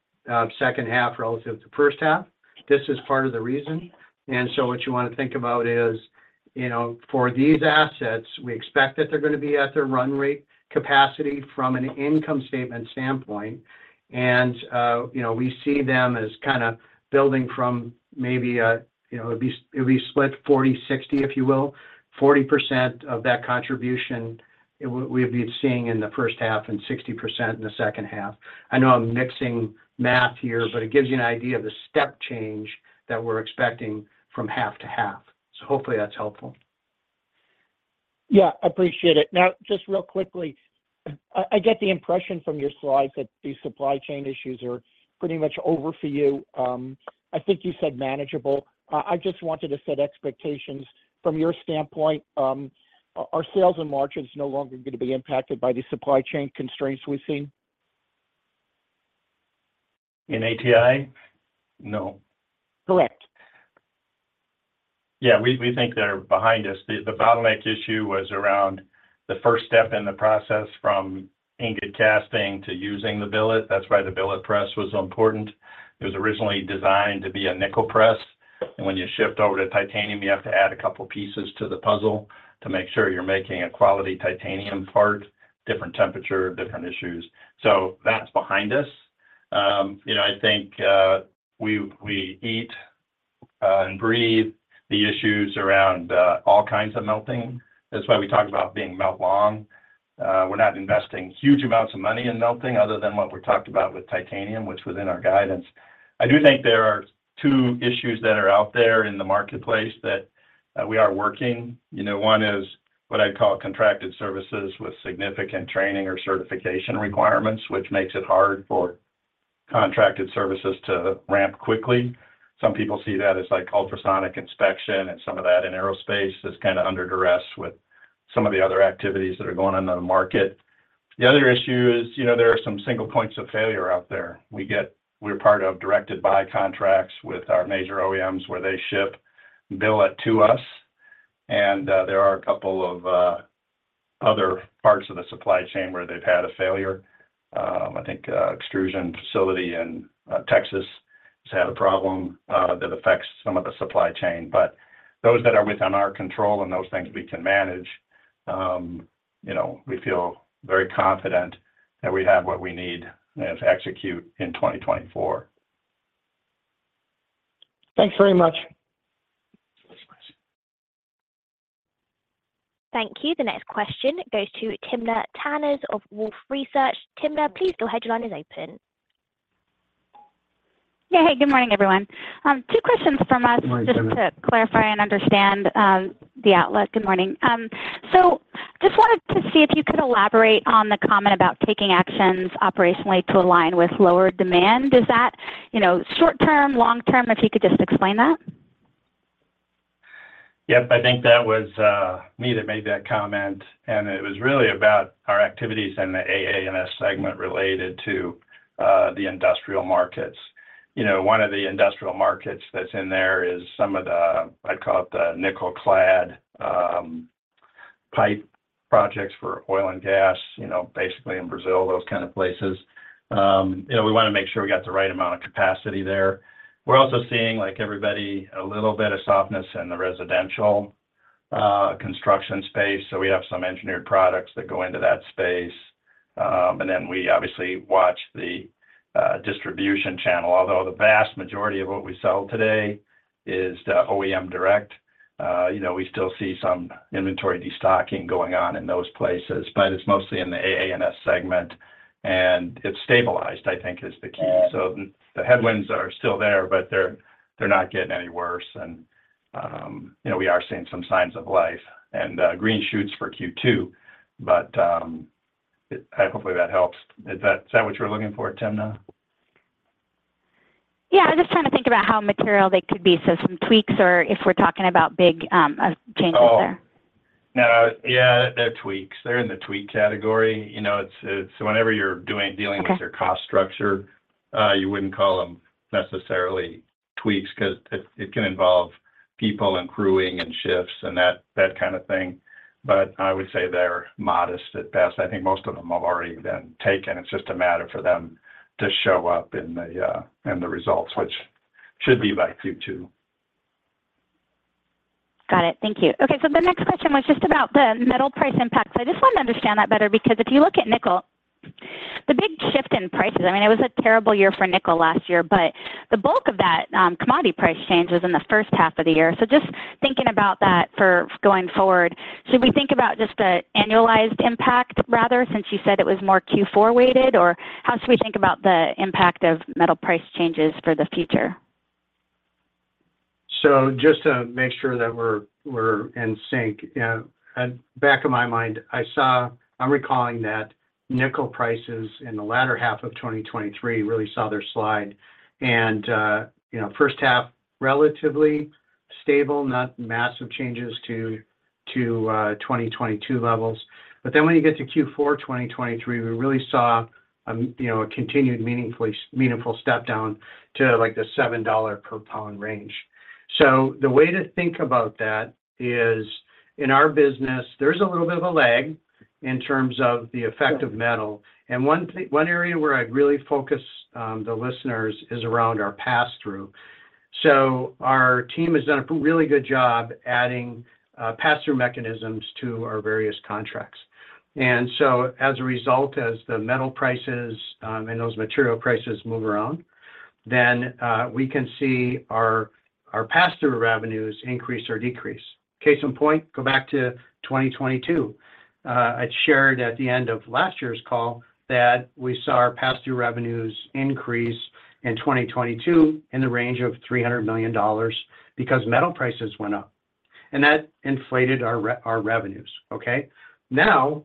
second half relative to the first half. This is part of the reason, and so what you want to think about is, you know, for these assets, we expect that they're going to be at their run rate capacity from an income statement standpoint. And, you know, we see them as kind of building from maybe a, you know, it'd be split 40/60, if you will. 40% of that contribution, it would, we'd be seeing in the first half and 60% in the second half. I know I'm mixing math here, but it gives you an idea of the step change that we're expecting from half to half. So hopefully that's helpful. Yeah, I appreciate it. Now, just real quickly, I get the impression from your slides that the supply chain issues are pretty much over for you. I think you said manageable. I just wanted to set expectations from your standpoint, are sales and margins no longer going to be impacted by the supply chain constraints we've seen? In ATI? No. Correct. Yeah, we think they're behind us. The bottleneck issue was around the first step in the process from ingot casting to using the billet. That's why the billet press was important. It was originally designed to be a nickel press, and when you shift over to titanium, you have to add a couple pieces to the puzzle to make sure you're making a quality titanium part, different temperature, different issues. So that's behind us. You know, I think we eat and breathe the issues around all kinds of melting. That's why we talk about being melt long. We're not investing huge amounts of money in melting other than what we talked about with titanium, which is within our guidance. I do think there are two issues that are out there in the marketplace that we are working. You know, one is what I'd call contracted services with significant training or certification requirements, which makes it hard for contracted services to ramp quickly. Some people see that as like ultrasonic inspection and some of that in aerospace that's kind of under duress with some of the other activities that are going on in the market. The other issue is, you know, there are some single points of failure out there. We get we're part of directed buy contracts with our major OEMs, where they ship billet to us, and there are a couple of other parts of the supply chain where they've had a failure. I think extrusion facility in Texas has had a problem that affects some of the supply chain. But those that are within our control and those things we can manage, you know, we feel very confident that we have what we need and to execute in 2024. Thanks very much. Thank you. The next question goes to Timna Tanners of Wolfe Research. Timna, please go ahead. Your line is open. Yeah. Hey, good morning, everyone. Two questions from us- Good morning, Timna. Just to clarify and understand the outlook. Good morning. So just wanted to see if you could elaborate on the comment about taking actions operationally to align with lower demand. Is that, you know, short term, long term, if you could just explain that? Yep. I think that was me that made that comment, and it was really about our activities in the AAMS segment related to the industrial markets. You know, one of the industrial markets that's in there is some of the, I'd call it the nickel-clad pipe projects for oil and gas, you know, basically in Brazil, those kind of places. You know, we want to make sure we got the right amount of capacity there. We're also seeing, like everybody, a little bit of softness in the residential construction space, so we have some engineered products that go into that space. And then we obviously watch the distribution channel, although the vast majority of what we sell today is the OEM direct. You know, we still see some inventory destocking going on in those places, but it's mostly in the AA&S segment, and it's stabilized, I think, is the key. So the headwinds are still there, but they're, they're not getting any worse. And, you know, we are seeing some signs of life and, green shoots for Q2, but, I hopefully that helps. Is that, is that what you're looking for, Timna? Yeah, I'm just trying to think about how material they could be, so some tweaks or if we're talking about big changes there. Oh, no. Yeah, they're tweaks. They're in the tweak category. You know, it's whenever you're doing- Okay. Dealing with your cost structure, you wouldn't call them necessarily tweaks because it, it can involve people and crewing and shifts and that, that kind of thing, but I would say they're modest at best. I think most of them have already been taken. It's just a matter for them to show up in the, in the results, which should be by Q2. Got it. Thank you. Okay, so the next question was just about the metal price impacts. I just wanted to understand that better because if you look at nickel, the big shift in prices, I mean, it was a terrible year for nickel last year, but the bulk of that commodity price change was in the first half of the year. So just thinking about that for going forward, should we think about just the annualized impact rather, since you said it was more Q4 weighted, or how should we think about the impact of metal price changes for the future? So just to make sure that we're, we're in sync, at back of my mind, I saw—I'm recalling that nickel prices in the latter half of 2023 really saw their slide. And, you know, first half, relatively stable, not massive changes to, to, 2022 levels. But then when you get to Q4 2023, we really saw a, you know, a continued meaningfully, meaningful step down to, like, the $7 per pound range. So the way to think about that is, in our business, there's a little bit of a lag in terms of the effect of metal. And one area where I'd really focus the listeners is around our pass-through. So our team has done a really good job adding pass-through mechanisms to our various contracts. And so, as a result, as the metal prices and those material prices move around, then we can see our pass-through revenues increase or decrease. Case in point, go back to 2022. I'd shared at the end of last year's call that we saw our pass-through revenues increase in 2022 in the range of $300 million because metal prices went up, and that inflated our revenues, okay? Now,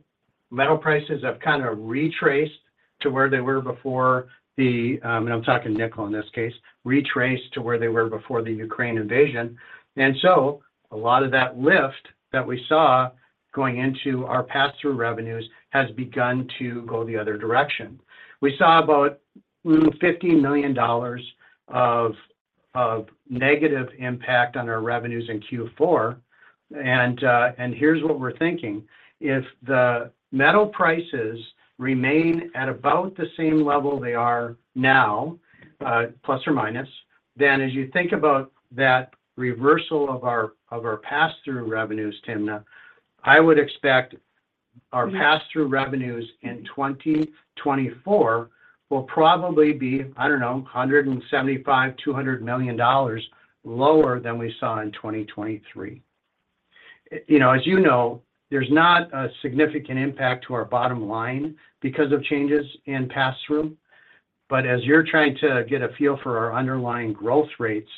metal prices have kind of retraced to where they were before the, and I'm talking nickel in this case, retraced to where they were before the Ukraine invasion. And so a lot of that lift that we saw going into our pass-through revenues has begun to go the other direction. We saw about $50 million of negative impact on our revenues in Q4. And here's what we're thinking: if the metal prices remain at about the same level they are now, plus or minus, then as you think about that reversal of our pass-through revenues, Timna, I would expect our pass-through revenues in 2024 will probably be, I don't know, $175-200 million lower than we saw in 2023. You know, as you know, there's not a significant impact to our bottom line because of changes in pass-through, but as you're trying to get a feel for our underlying growth rates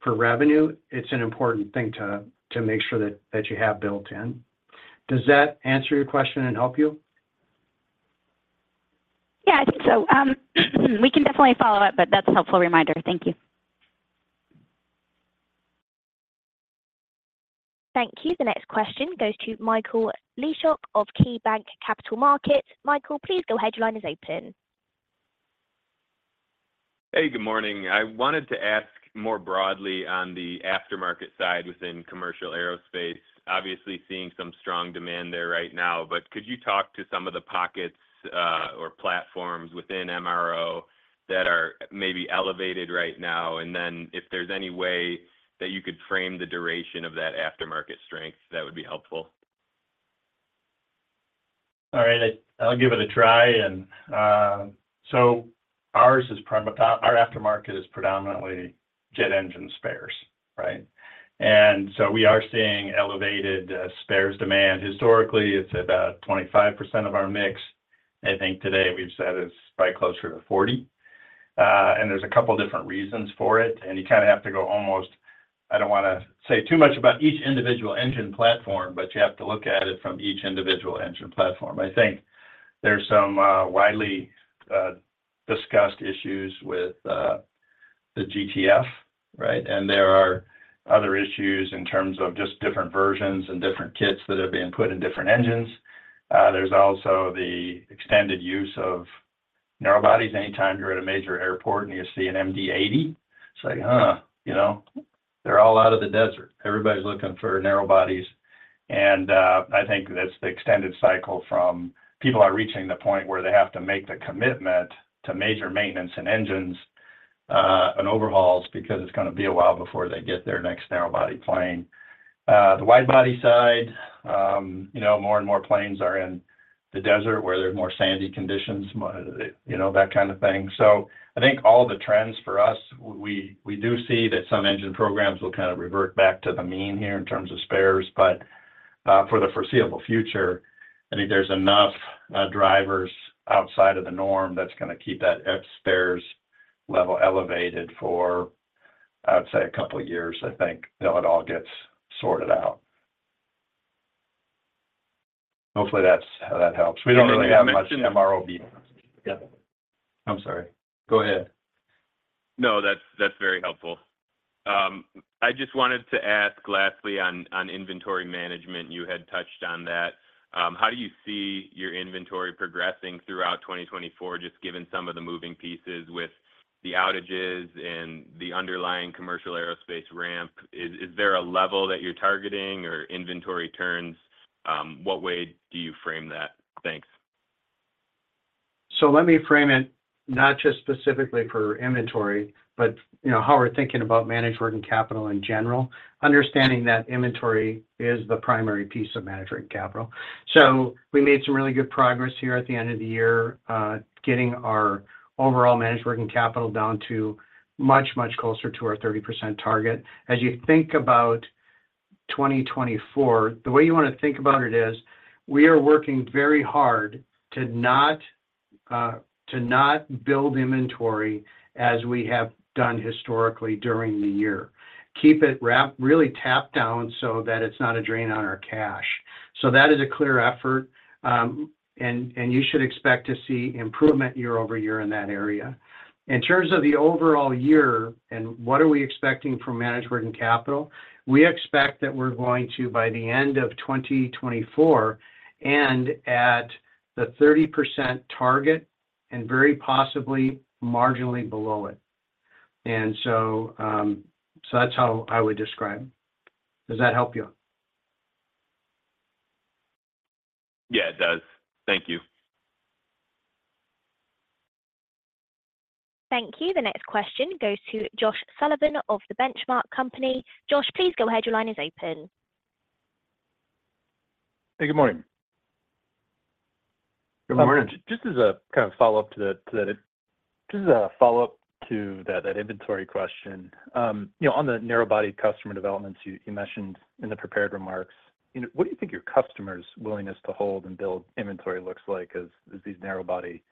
for revenue, it's an important thing to make sure that you have built in. Does that answer your question and help you? Yeah, I think so. We can definitely follow up, but that's a helpful reminder. Thank you. Thank you. The next question goes to Michael Leshock of KeyBanc Capital Markets. Michael, please go ahead. Line is open. Hey, good morning. I wanted to ask more broadly on the aftermarket side within commercial aerospace. Obviously, seeing some strong demand there right now, but could you talk to some of the pockets or platforms within MRO that are maybe elevated right now? And then if there's any way that you could frame the duration of that aftermarket strength, that would be helpful. All right, I'll give it a try. So our aftermarket is predominantly jet engine spares, right? And so we are seeing elevated spares demand. Historically, it's about 25% of our mix. I think today we've said it's probably closer to 40. And there's a couple different reasons for it, and you kind of have to go almost, I don't wanna say too much about each individual engine platform, but you have to look at it from each individual engine platform. I think there's some widely discussed issues with the GTF, right? And there are other issues in terms of just different versions and different kits that are being put in different engines. There's also the extended use of narrow bodies. Anytime you're at a major airport, and you see an MD-80, it's like, huh, you know, they're all out of the desert. Everybody's looking for narrow bodies. And, I think that's the extended cycle from people are reaching the point where they have to make the commitment to major maintenance and engines, and overhauls, because it's gonna be a while before they get their next narrow body plane. The wide body side, you know, more and more planes are in the desert where there's more sandy conditions, you know, that kind of thing. So I think all the trends for us, we, we, we do see that some engine programs will kind of revert back to the mean here in terms of spares. For the foreseeable future, I think there's enough drivers outside of the norm that's gonna keep that spares level elevated for, I would say, a couple of years, I think, till it all gets sorted out. Hopefully that's that helps. We don't really have much MRO- And then my- Yeah. I'm sorry. Go ahead. No, that's very helpful. I just wanted to ask lastly on inventory management, you had touched on that. How do you see your inventory progressing throughout 2024, just given some of the moving pieces with the outages and the underlying commercial aerospace ramp? Is there a level that you're targeting or inventory turns? What way do you frame that? Thanks. So let me frame it not just specifically for inventory, but you know, how we're thinking about managed working capital in general, understanding that inventory is the primary piece of managed working capital. So we made some really good progress here at the end of the year, getting our overall managed working capital down to much, much closer to our 30% target. As you think about 2024, the way you wanna think about it is, we are working very hard to not to not build inventory as we have done historically during the year. Keep it wrap- really tapped down so that it's not a drain on our cash. So that is a clear effort, and you should expect to see improvement year over year in that area. In terms of the overall year and what are we expecting from Managed Working Capital, we expect that we're going to, by the end of 2024, end at the 30% target, and very possibly marginally below it. And so, that's how I would describe. Does that help you? Yeah, it does. Thank you. Thank you. The next question goes to Josh Sullivan of the Benchmark Company. Josh, please go ahead. Your line is open. Hey, good morning. Good morning. Just as a kind of follow-up to that, that inventory question. You know, on the narrow-body customer developments you mentioned in the prepared remarks, you know, what do you think your customers' willingness to hold and build inventory looks like as these narrow-body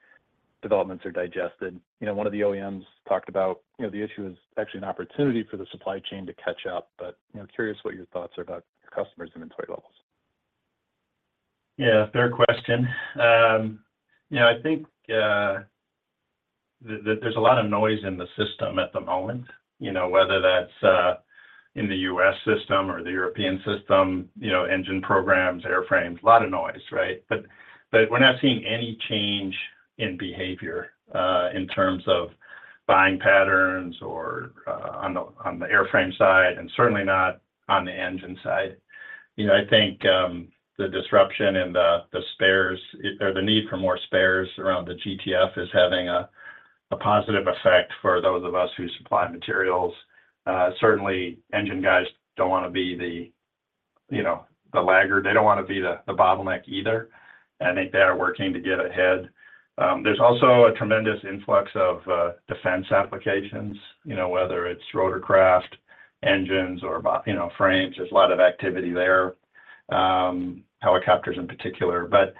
developments are digested? You know, one of the OEMs talked about, you know, the issue is actually an opportunity for the supply chain to catch up, but, you know, curious what your thoughts are about your customers' inventory levels. Yeah, fair question. You know, I think that there's a lot of noise in the system at the moment, you know, whether that's in the US system or the European system, you know, engine programs, airframes, a lot of noise, right? But we're not seeing any change in behavior in terms of buying patterns or on the airframe side, and certainly not on the engine side. You know, I think the disruption in the spares, or the need for more spares around the GTF is having a positive effect for those of us who supply materials. Certainly engine guys don't wanna be the, you know, the lagger. They don't wanna be the bottleneck either, and I think they are working to get ahead. There's also a tremendous influx of defense applications, you know, whether it's rotorcraft, engines, or, you know, frames. There's a lot of activity there, helicopters in particular. But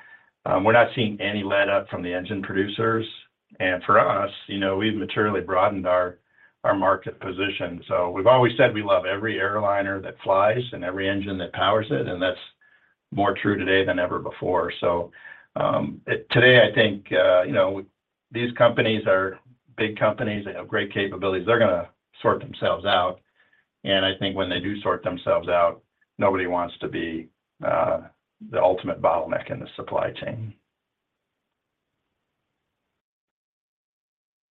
we're not seeing any letup from the engine producers. And for us, you know, we've materially broadened our market position. So we've always said we love every airliner that flies and every engine that powers it, and that's more true today than ever before. So today, I think, you know, these companies are big companies. They have great capabilities. They're gonna sort themselves out, and I think when they do sort themselves out, nobody wants to be the ultimate bottleneck in the supply chain.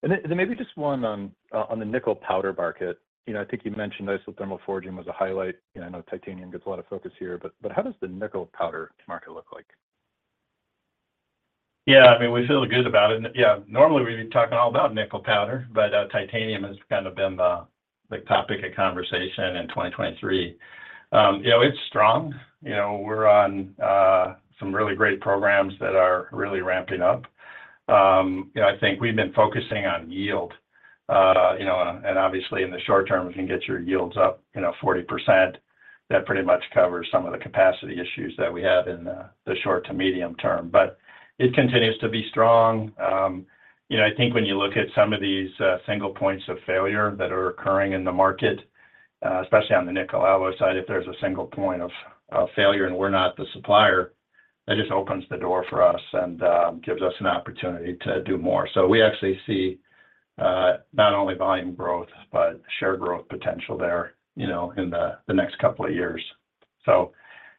Maybe just one on the nickel powder market. You know, I think you mentioned isothermal forging was a highlight. You know, I know titanium gets a lot of focus here, but how does the nickel powder market look like? Yeah, I mean, we feel good about it. Yeah, normally, we'd be talking all about nickel powder, but titanium has kind of been the topic of conversation in 2023. You know, it's strong. You know, we're on some really great programs that are really ramping up. You know, I think we've been focusing on yield. You know, and obviously, in the short term, if you can get your yields up 40%, that pretty much covers some of the capacity issues that we have in the short to medium term. But it continues to be strong. You know, I think when you look at some of these single points of failure that are occurring in the market, especially on the nickel alloy side, if there's a single point of failure and we're not the supplier, that just opens the door for us and gives us an opportunity to do more. So we actually see not only volume growth, but share growth potential there, you know, in the next couple of years. So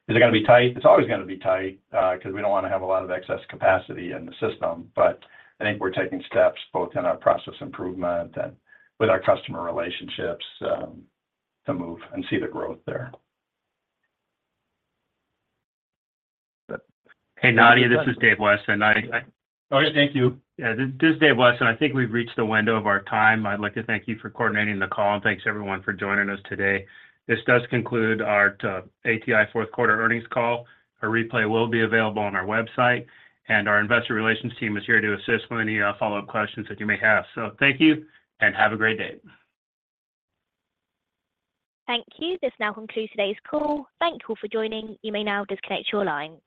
is it gonna be tight? It's always gonna be tight, 'cause we don't wanna have a lot of excess capacity in the system. But I think we're taking steps both in our process improvement and with our customer relationships to move and see the growth there. Hey, Nadia, this is David Weston. Oh, yeah. Thank you. Yeah, this is Dave Weston. I think we've reached the window of our time. I'd like to thank you for coordinating the call, and thanks everyone for joining us today. This does conclude our ATI fourth quarter earnings call. A replay will be available on our website, and our investor relations team is here to assist with any follow-up questions that you may have. So thank you, and have a great day. Thank you. This now concludes today's call. Thank you all for joining. You may now disconnect your line.